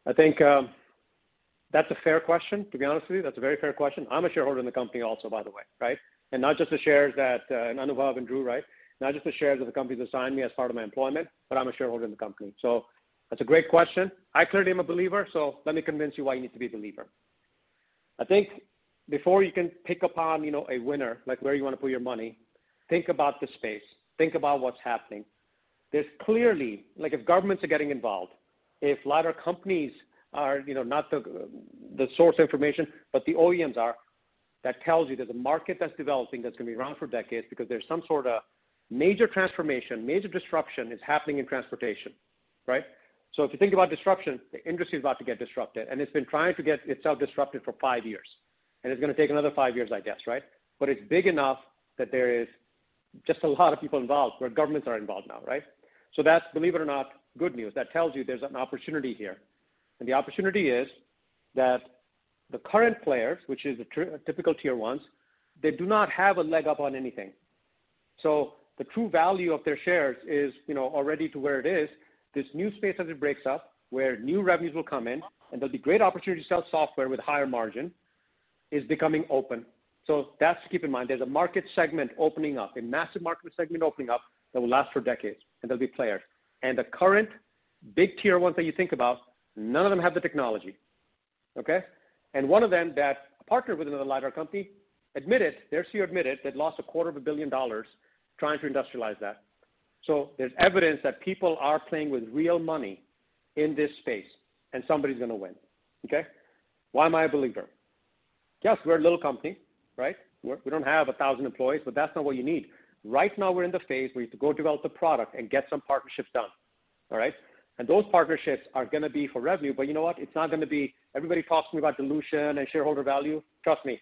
[SPEAKER 3] I think that's a fair question, to be honest with you. That's a very fair question. I'm a shareholder in the company also, by the way, right? And not just the shares that Anubhav and Drew, right? Not just the shares that the company's assigned me as part of my employment, but I'm a shareholder in the company. So that's a great question. I clearly am a believer, so let me convince you why you need to be a believer. I think before you can pick up on, you know, a winner, like where you wanna put your money, think about the space. Think about what's happening. There's clearly like, if governments are getting involved, if LiDAR companies are, you know, not the, the source information, but the OEMs are, that tells you there's a market that's developing that's gonna be around for decades because there's some sort of major transformation, major disruption is happening in transportation, right? So if you think about disruption, the industry is about to get disrupted, and it's been trying to get itself disrupted for five years, and it's gonna take another five years, I guess, right? But it's big enough that there is just a lot of people involved, where governments are involved now, right? So that's, believe it or not, good news. That tells you there's an opportunity here. And the opportunity is that the current players, which is the typical Tier 1s, they do not have a leg up on anything. So the true value of their shares is, you know, already to where it is. This new space as it breaks up, where new revenues will come in, and there'll be great opportunity to sell software with higher margin, is becoming open. So that's to keep in mind. There's a market segment opening up, a massive market segment opening up, that will last for decades, and there'll be players. And the current big Tier 1s that you think about, none of them have the technology, okay? And one of them that partnered with another LiDAR company, admitted, their CEO admitted they'd lost $250 million trying to industrialize that. So there's evidence that people are playing with real money in this space, and somebody's gonna win, okay? Why am I a believer? Yes, we're a little company, right? We don't have 1,000 employees, but that's not what you need. Right now, we're in the phase where you have to go develop the product and get some partnerships done. All right? And those partnerships are gonna be for revenue, but you know what? It's not gonna be, everybody talks to me about dilution and shareholder value. Trust me,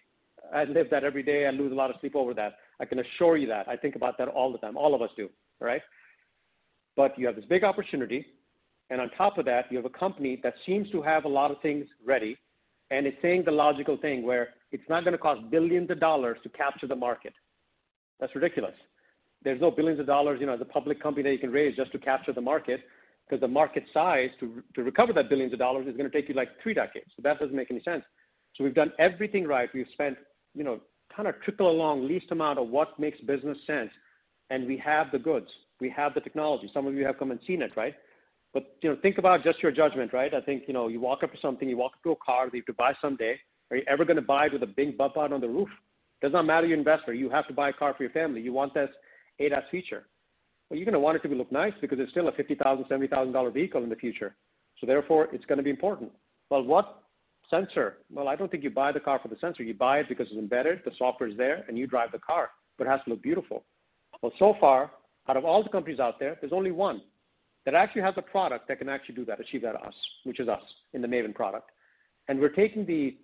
[SPEAKER 3] I live that every day. I lose a lot of sleep over that. I can assure you that. I think about that all the time. All of us do, right? But you have this big opportunity, and on top of that, you have a company that seems to have a lot of things ready and is saying the logical thing, where it's not gonna cost billions to capture the market. That's ridiculous. There's no billions of dollars, you know, as a public company that you can raise just to capture the market, because the market size to recover that billions of dollars is gonna take you, like, three decades. So that doesn't make any sense. So we've done everything right. We've spent, you know, kinda trickle along, least amount of what makes business sense, and we have the goods. We have the technology. Some of you have come and seen it, right? But, you know, think about just your judgment, right? I think, you know, you walk up to something, you walk up to a car that you have to buy someday. Are you ever gonna buy it with a big bump out on the roof? Does not matter you're investor. You have to buy a car for your family. You want this ADAS feature. But you're gonna want it to look nice because it's still a $50,000, $70,000 vehicle in the future, so therefore, it's gonna be important. Well, what sensor? Well, I don't think you buy the car for the sensor. You buy it because it's embedded, the software is there, and you drive the car, but it has to look beautiful. Well, so far, out of all the companies out there, there's only one that actually has a product that can actually do that, achieve that to us, which is us, in the MAVIN product. And we're taking the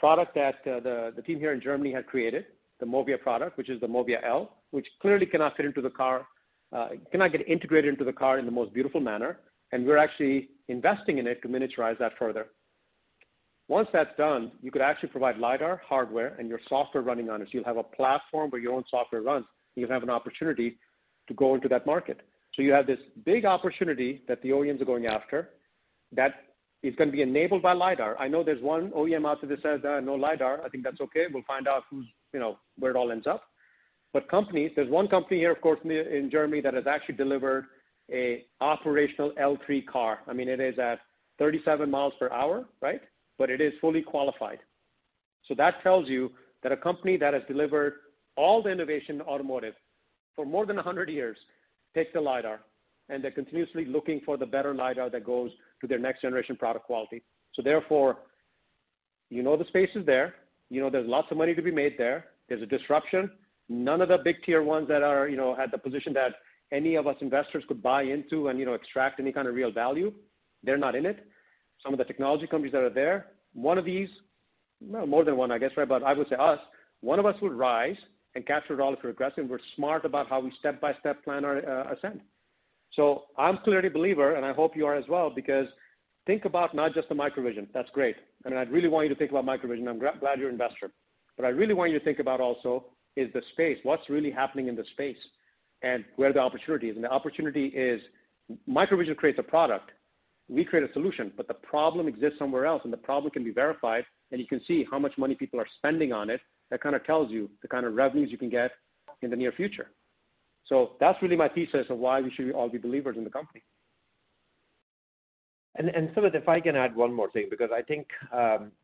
[SPEAKER 3] product that the team here in Germany has created, the MOVIA product, which is the MOVIA L, which clearly cannot fit into the car, cannot get integrated into the car in the most beautiful manner, and we're actually investing in it to miniaturize that further. Once that's done, you could actually provide LiDAR hardware and your software running on it. So you'll have a platform where your own software runs, and you'll have an opportunity to go into that market. So you have this big opportunity that the OEMs are going after, that is gonna be enabled by LiDAR. I know there's one OEM out there that says that, "No LiDAR." I think that's okay. We'll find out who's, you know, where it all ends up. But companies, there's one company here, of course, in Germany, that has actually delivered a operational L3 car. I mean, it is at 37 miles per hour, right? But it is fully qualified. So that tells you that a company that has delivered all the innovation to automotive for more than 100 years, takes the LiDAR, and they're continuously looking for the better LiDAR that goes to their next generation product quality. So therefore, you know the space is there. You know there's lots of money to be made there. There's a disruption. None of the big Tier 1s that are, you know, at the position that any of us investors could buy into and, you know, extract any kind of real value, they're not in it. Some of the technology companies that are there, one of these... No, more than one, I guess, right? But I would say us, one of us will rise and capture it all if we're aggressive, and we're smart about how we step-by-step plan our ascent. So I'm clearly a believer, and I hope you are as well, because think about not just the MicroVision. That's great, and I really want you to think about MicroVision. I'm glad you're an investor. What I really want you to think about also is the space. What's really happening in the space? And where the opportunity is. And the opportunity is, MicroVision creates a product, we create a solution, but the problem exists somewhere else, and the problem can be verified, and you can see how much money people are spending on it. That kind of tells you the kind of revenues you can get in the near future. So that's really my thesis of why we should all be believers in the company.
[SPEAKER 4] Sumit, if I can add one more thing, because I think,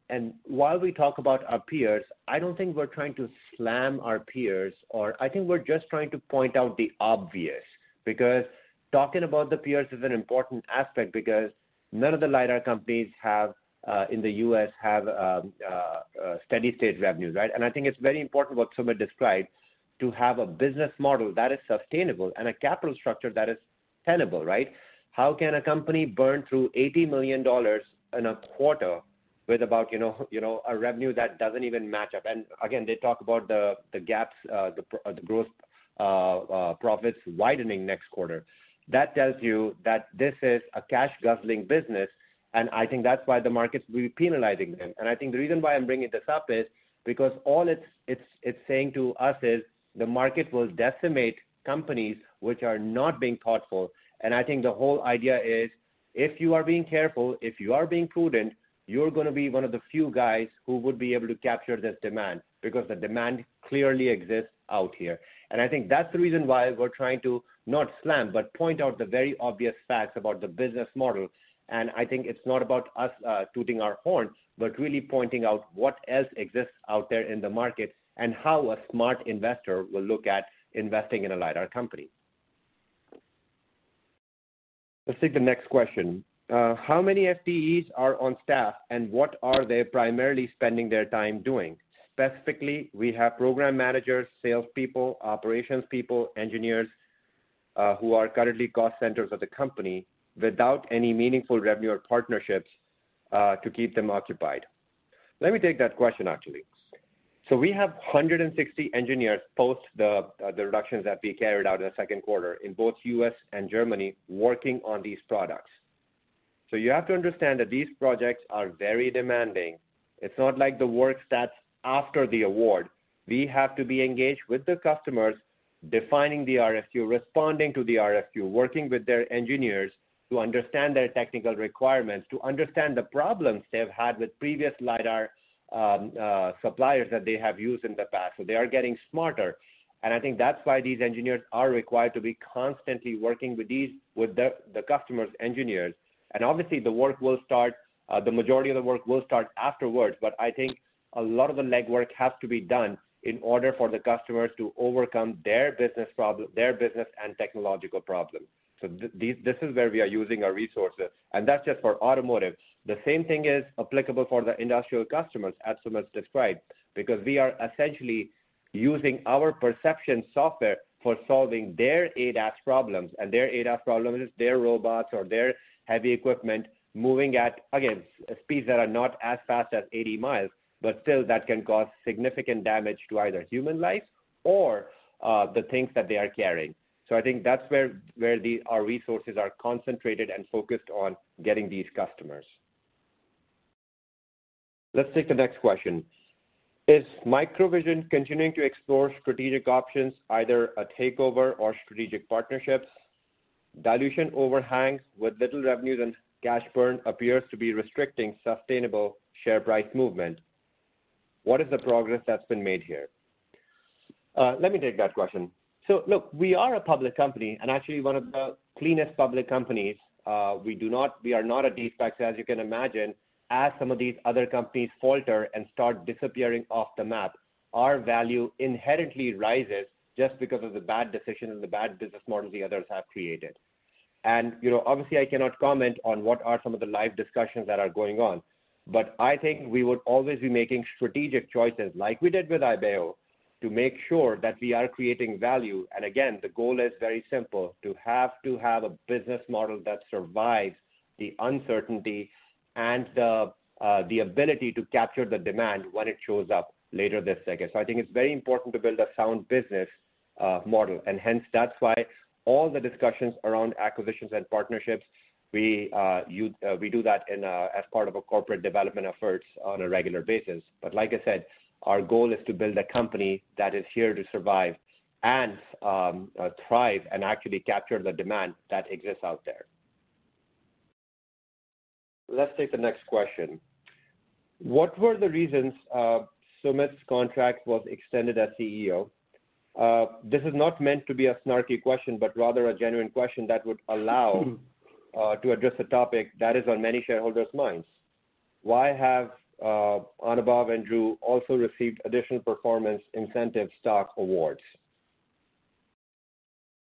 [SPEAKER 4] and while we talk about our peers, I don't think we're trying to slam our peers, or I think we're just trying to point out the obvious. Because talking about the peers is an important aspect because none of the LiDAR companies have, in the U.S. have, steady state revenues, right? And I think it's very important what Sumit described, to have a business model that is sustainable and a capital structure that is tenable, right? How can a company burn through $80 million in a quarter with about, you know, you know, a revenue that doesn't even match up? And again, they talk about the, the gaps, the gross profits widening next quarter. That tells you that this is a cash guzzling business, and I think that's why the market's really penalizing them. And I think the reason why I'm bringing this up is because all it's saying to us is the market will decimate companies which are not being thoughtful. And I think the whole idea is, if you are being careful, if you are being prudent, you're gonna be one of the few guys who would be able to capture this demand, because the demand clearly exists out here. And I think that's the reason why we're trying to, not slam, but point out the very obvious facts about the business model. And I think it's not about us, tooting our horns, but really pointing out what else exists out there in the market, and how a smart investor will look at investing in a LiDAR company. Let's take the next question. How many FTEs are on staff, and what are they primarily spending their time doing? Specifically, we have program managers, salespeople, operations people, engineers, who are currently cost centers of the company without any meaningful revenue or partnerships to keep them occupied. Let me take that question, actually. So we have 160 engineers, post the reductions that we carried out in the Q2, in both U.S. and Germany, working on these products. So you have to understand that these projects are very demanding. It's not like the work that's after the award. We have to be engaged with the customers, defining the RFQ, responding to the RFQ, working with their engineers to understand their technical requirements, to understand the problems they have had with previous LiDAR suppliers that they have used in the past. So they are getting smarter, and I think that's why these engineers are required to be constantly working with these, with the customers' engineers. And obviously, the work will start, the majority of the work will start afterwards, but I think a lot of the legwork has to be done in order for the customers to overcome their business problem, their business and technological problems. So this, this is where we are using our resources, and that's just for automotive. The same thing is applicable for the industrial customers, as Sumit described, because we are essentially using our perception software for solving their ADAS problems, and their ADAS problems is their robots or their heavy equipment moving at, again, speeds that are not as fast as 80 miles, but still that can cause significant damage to either human life or the things that they are carrying. So I think that's where our resources are concentrated and focused on getting these customers. Let's take the next question: Is MicroVision continuing to explore strategic options, either a takeover or strategic partnerships? Dilution overhangs with little revenues and cash burn appears to be restricting sustainable share price movement. What is the progress that's been made here? Let me take that question. So look, we are a public company, and actually one of the cleanest public companies. We do not, we are not a defector, as you can imagine. As some of these other companies falter and start disappearing off the map, our value inherently rises just because of the bad decisions and the bad business models the others have created. You know, obviously, I cannot comment on what are some of the live discussions that are going on, but I think we would always be making strategic choices, like we did with Ibeo, to make sure that we are creating value. And again, the goal is very simple, to have a business model that survives the uncertainty and the ability to capture the demand when it shows up later this second. So I think it's very important to build a sound business model, and hence, that's why all the discussions around acquisitions and partnerships, we do that in as part of a corporate development efforts on a regular basis. But like I said, our goal is to build a company that is here to survive and thrive and actually capture the demand that exists out there. Let's take the next question: What were the reasons Sumit's contract was extended as CEO? This is not meant to be a snarky question, but rather a genuine question that would allow to address a topic that is on many shareholders' minds. Why have Anubhav and Drew also received additional performance incentive stock awards?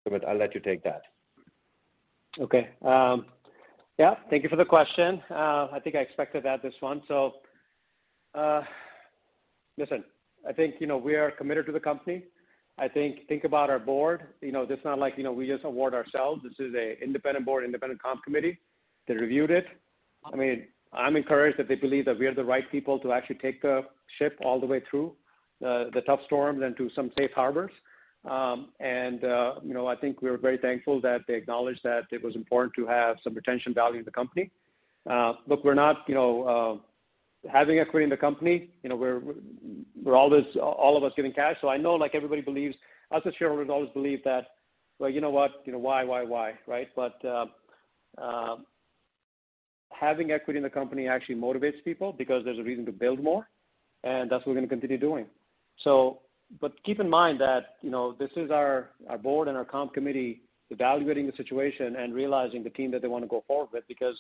[SPEAKER 4] Sumit, I'll let you take that.
[SPEAKER 3] Okay, yeah, thank you for the question. I think I expected that, this one. So, listen, I think, you know, we are committed to the company. I think, think about our board. You know, this is not like, you know, we just award ourselves. This is a independent board, independent comp committee that reviewed it. I mean, I'm encouraged that they believe that we are the right people to actually take the ship all the way through the tough storms and to some safe harbors. And, you know, I think we are very thankful that they acknowledged that it was important to have some retention value in the company. Look, we're not, you know, having equity in the company, you know, we're always, all of us giving cash. So I know like everybody believes, us as shareholders always believe that, well, you know what? You know, why, why, why, right? But, having equity in the company actually motivates people because there's a reason to build more, and that's what we're gonna continue doing. So but keep in mind that, you know, this is our, our board and our comp committee evaluating the situation and realizing the team that they wanna go forward with, because,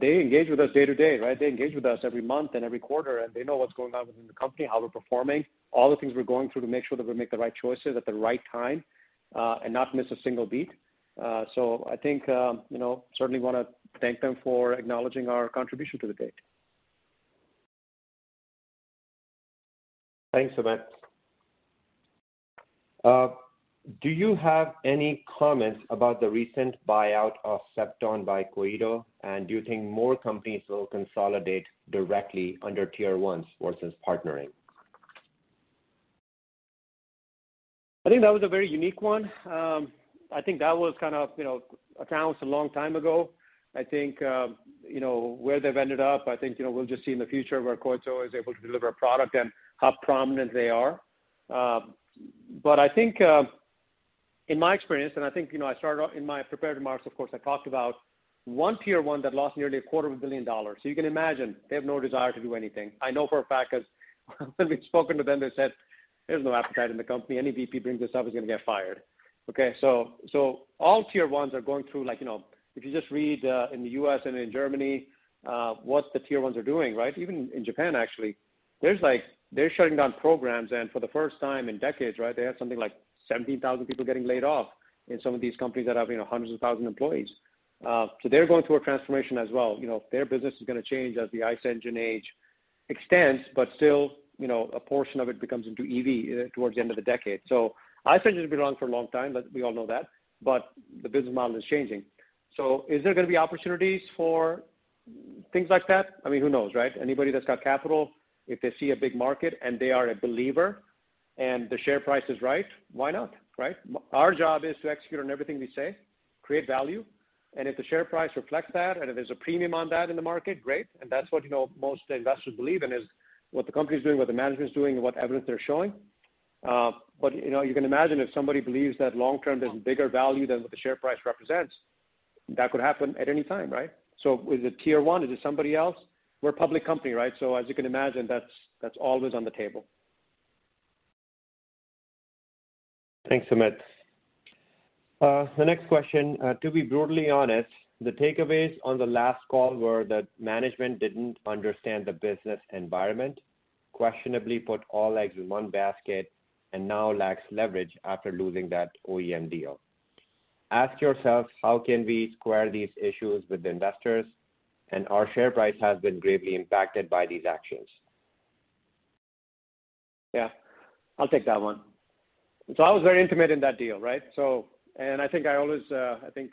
[SPEAKER 3] they engage with us day-to-day, right? They engage with us every month and every quarter, and they know what's going on within the company, how we're performing, all the things we're going through to make sure that we make the right choices at the right time, and not miss a single beat. So I think, you know, certainly wanna thank them for acknowledging our contribution to date.
[SPEAKER 4] Thanks, Sumit. Do you have any comments about the recent buyout of Cepton by Koito, and do you think more companies will consolidate directly under Tier 1s versus partnering?
[SPEAKER 3] I think that was a very unique one. I think that was kind of, you know, accounts a long time ago. I think, you know, where they've ended up, I think, you know, we'll just see in the future where Koito is able to deliver a product and how prominent they are. But I think, in my experience, and I think, you know, I started off in my prepared remarks, of course, I talked about one Tier 1 that lost nearly $250 million. So you can imagine they have no desire to do anything. I know for a fact because when we've spoken to them, they said, "There's no appetite in the company. Any VP brings this up is gonna get fired." Okay, so all Tier 1s are going through, like, you know, if you just read in the U.S. and in Germany what the Tier 1s are doing, right? Even in Japan, actually, there's like, they're shutting down programs, and for the first time in decades, right, they have something like 17,000 people getting laid off in some of these companies that have, you know, hundreds of thousand employees. So they're going through a transformation as well. You know, their business is gonna change as the ICE engine age extends, but still, you know, a portion of it becomes into EV towards the end of the decade. So ICE engine has been around for a long time, but we all know that, but the business model is changing. So is there gonna be opportunities for things like that? I mean, who knows, right? Anybody that's got capital, if they see a big market and they are a believer and the share price is right, why not, right? Our job is to execute on everything we say, create value, and if the share price reflects that, and if there's a premium on that in the market, great. And that's what, you know, most investors believe in, is what the company is doing, what the management is doing, and what evidence they're showing. But, you know, you can imagine if somebody believes that long term, there's a bigger value than what the share price represents, that could happen at any time, right? So is it Tier 1? Is it somebody else? We're a public company, right? So as you can imagine, that's, that's always on the table.
[SPEAKER 4] Thanks, Sumit. The next question, to be brutally honest, the takeaways on the last call were that management didn't understand the business environment, questionably put all eggs in one basket, and now lacks leverage after losing that OEM deal. Ask yourself, how can we square these issues with the investors? And our share price has been greatly impacted by these actions.
[SPEAKER 3] Yeah, I'll take that one. So I was very intimate in that deal, right? So, and I think I always, I think,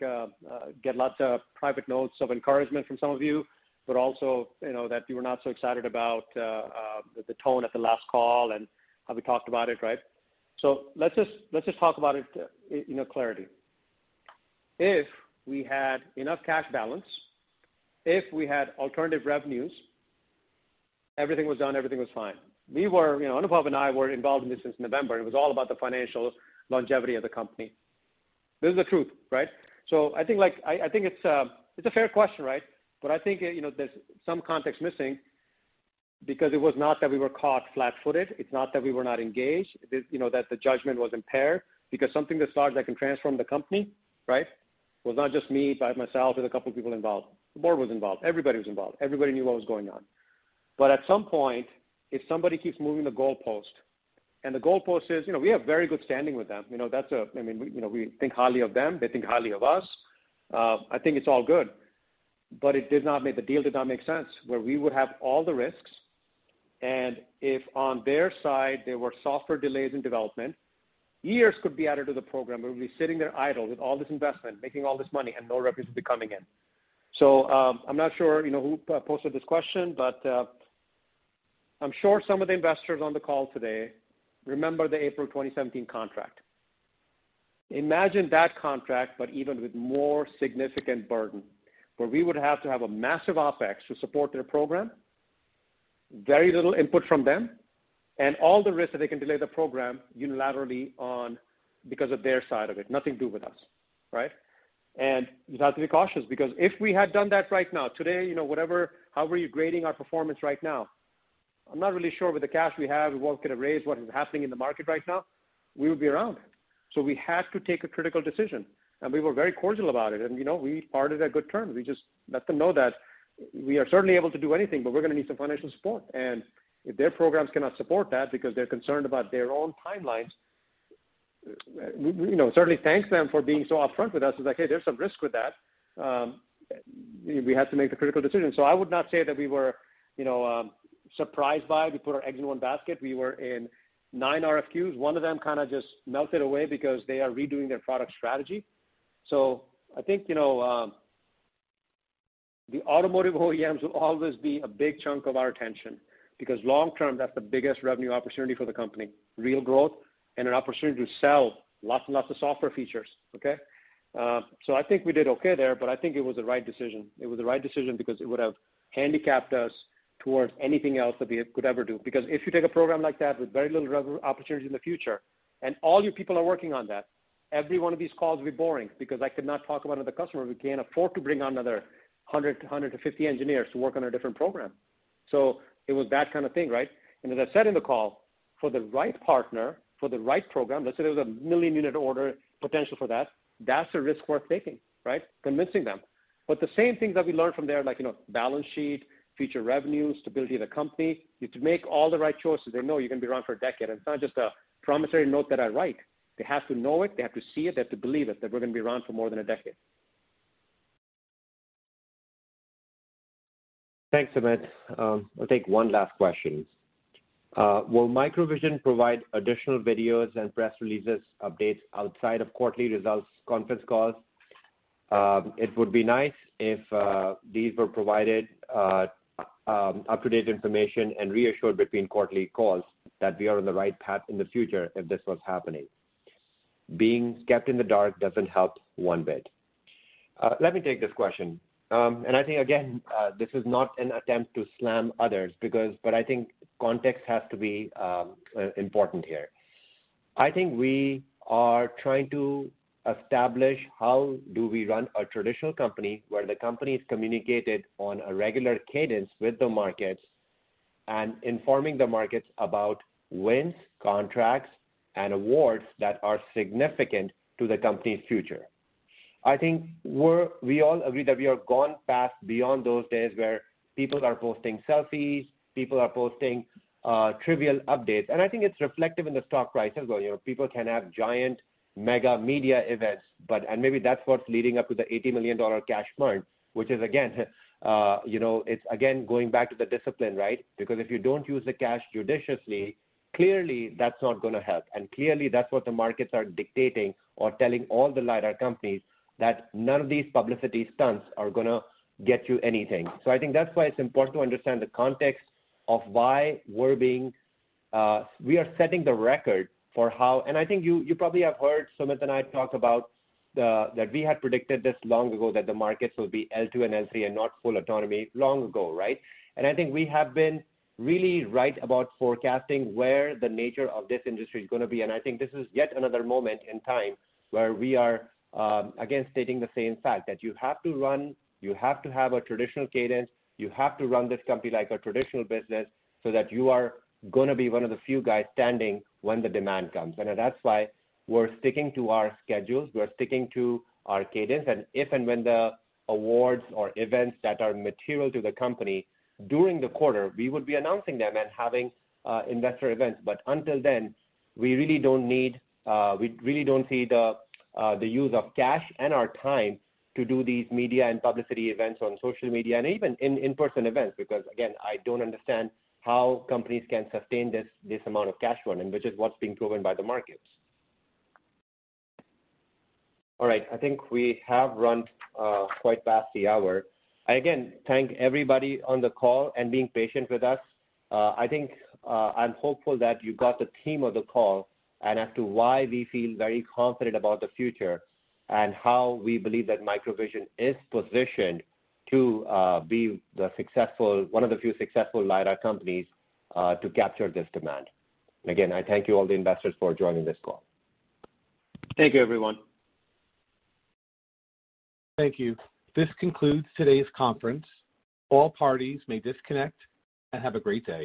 [SPEAKER 3] get lots of private notes of encouragement from some of you, but also, you know, that you were not so excited about, the tone at the last call and how we talked about it, right? So let's just, let's just talk about it, you know, clarity. If we had enough cash balance, if we had alternative revenues, everything was done, everything was fine. We were, you know, Anubhav and I were involved in this since November, and it was all about the financial longevity of the company. This is the truth, right? So I think, like, I, I think it's, it's a fair question, right? But I think, you know, there's some context missing because it was not that we were caught flat-footed. It's not that we were not engaged. It, you know, that the judgment was impaired. Because something this large that can transform the company, right, was not just me, by myself, and a couple of people involved. The board was involved. Everybody was involved. Everybody knew what was going on. But at some point, if somebody keeps moving the goalpost, and the goalpost is, you know, we have very good standing with them. You know, that's I mean, we, you know, we think highly of them. They think highly of us. I think it's all good, but the deal did not make sense, where we would have all the risks, and if on their side, there were software delays in development, years could be added to the program, where we'd be sitting there idle with all this investment, making all this money, and no revenues would be coming in. So, I'm not sure, you know, who posted this question, but I'm sure some of the investors on the call today remember the April 2017 contract. Imagine that contract, but even with more significant burden, where we would have to have a massive OpEx to support their program, very little input from them, and all the risk that they can delay the program unilaterally on because of their side of it. Nothing to do with us, right? We have to be cautious, because if we had done that right now, today, you know, whatever, however you're grading our performance right now, I'm not really sure with the cash we have, we won't get a raise. What is happening in the market right now, we would be around it. So we had to take a critical decision, and we were very cordial about it. You know, we parted on good terms. We just let them know that we are certainly able to do anything, but we're gonna need some financial support. And if their programs cannot support that because they're concerned about their own timelines, we, you know, certainly thank them for being so upfront with us. It's like, "Hey, there's some risk with that." We had to make the critical decision. So I would not say that we were, you know, surprised by, we put our eggs in one basket. We were in 9 RFQs. One of them kind of just melted away because they are redoing their product strategy. So I think, you know, the automotive OEMs will always be a big chunk of our attention, because long term, that's the biggest revenue opportunity for the company, real growth and an opportunity to sell lots and lots of software features, okay? So I think we did okay there, but I think it was the right decision. It was the right decision because it would have handicapped us towards anything else that we could ever do. Because if you take a program like that with very little rev opportunity in the future, and all your people are working on that, every one of these calls will be boring because I could not talk about other customers. We can't afford to bring on another 100 to 150 engineers to work on a different program. So it was that kind of thing, right? And as I said in the call, for the right partner, for the right program, let's say there was a million-unit order potential for that, that's a risk worth taking, right? Convincing them. But the same things that we learned from there, like, you know, balance sheet, future revenue, stability of the company, you have to make all the right choices. They know you're gonna be around for a decade. It's not just a promissory note that I write. They have to know it, they have to see it, they have to believe it, that we're gonna be around for more than a decade.
[SPEAKER 4] Thanks, Sumit. I'll take one last question. "Will MicroVision provide additional videos and press releases, updates outside of quarterly results, conference calls? It would be nice if these were provided up-to-date information and reassured between quarterly calls that we are on the right path in the future if this was happening. Being kept in the dark doesn't help one bit." Let me take this question. I think, again, this is not an attempt to slam others because, but I think context has to be important here. I think we are trying to establish how do we run a traditional company, where the company is communicated on a regular cadence with the markets and informing the markets about wins, contracts, and awards that are significant to the company's future. I think we all agree that we have gone past beyond those days where people are posting selfies, people are posting trivial updates. And I think it's reflective in the stock price as well. You know, people can have giant, mega media events, but and maybe that's what's leading up to the $80 million cash burn, which is, again, you know, it's again, going back to the discipline, right? Because if you don't use the cash judiciously, clearly, that's not gonna help. And clearly, that's what the markets are dictating or telling all the LiDAR companies, that none of these publicity stunts are gonna get you anything. So I think that's why it's important to understand the context of why we're being we are setting the record for how... And I think you, you probably have heard Sumit and I talk about the, that we had predicted this long ago, that the markets would be L2 and L3 and not full autonomy long ago, right? And I think we have been really right about forecasting where the nature of this industry is gonna be. And I think this is yet another moment in time where we are, again, stating the same fact, that you have to run, you have to have a traditional cadence, you have to run this company like a traditional business, so that you are gonna be one of the few guys standing when the demand comes. And that's why we're sticking to our schedules, we're sticking to our cadence. And if and when the awards or events that are material to the company during the quarter, we would be announcing them and having investor events. But until then, we really don't need. We really don't see the use of cash and our time to do these media and publicity events on social media and even in-person events. Because, again, I don't understand how companies can sustain this amount of cash flow, and which is what's being proven by the markets. All right, I think we have run quite past the hour. I again thank everybody on the call and being patient with us. I think, I'm hopeful that you got the theme of the call and as to why we feel very confident about the future, and how we believe that MicroVision is positioned to, be the successful, one of the few successful LiDAR companies, to capture this demand. Again, I thank you, all the investors, for joining this call.
[SPEAKER 3] Thank you, everyone.
[SPEAKER 1] Thank you. This concludes today's conference. All parties may disconnect, and have a great day.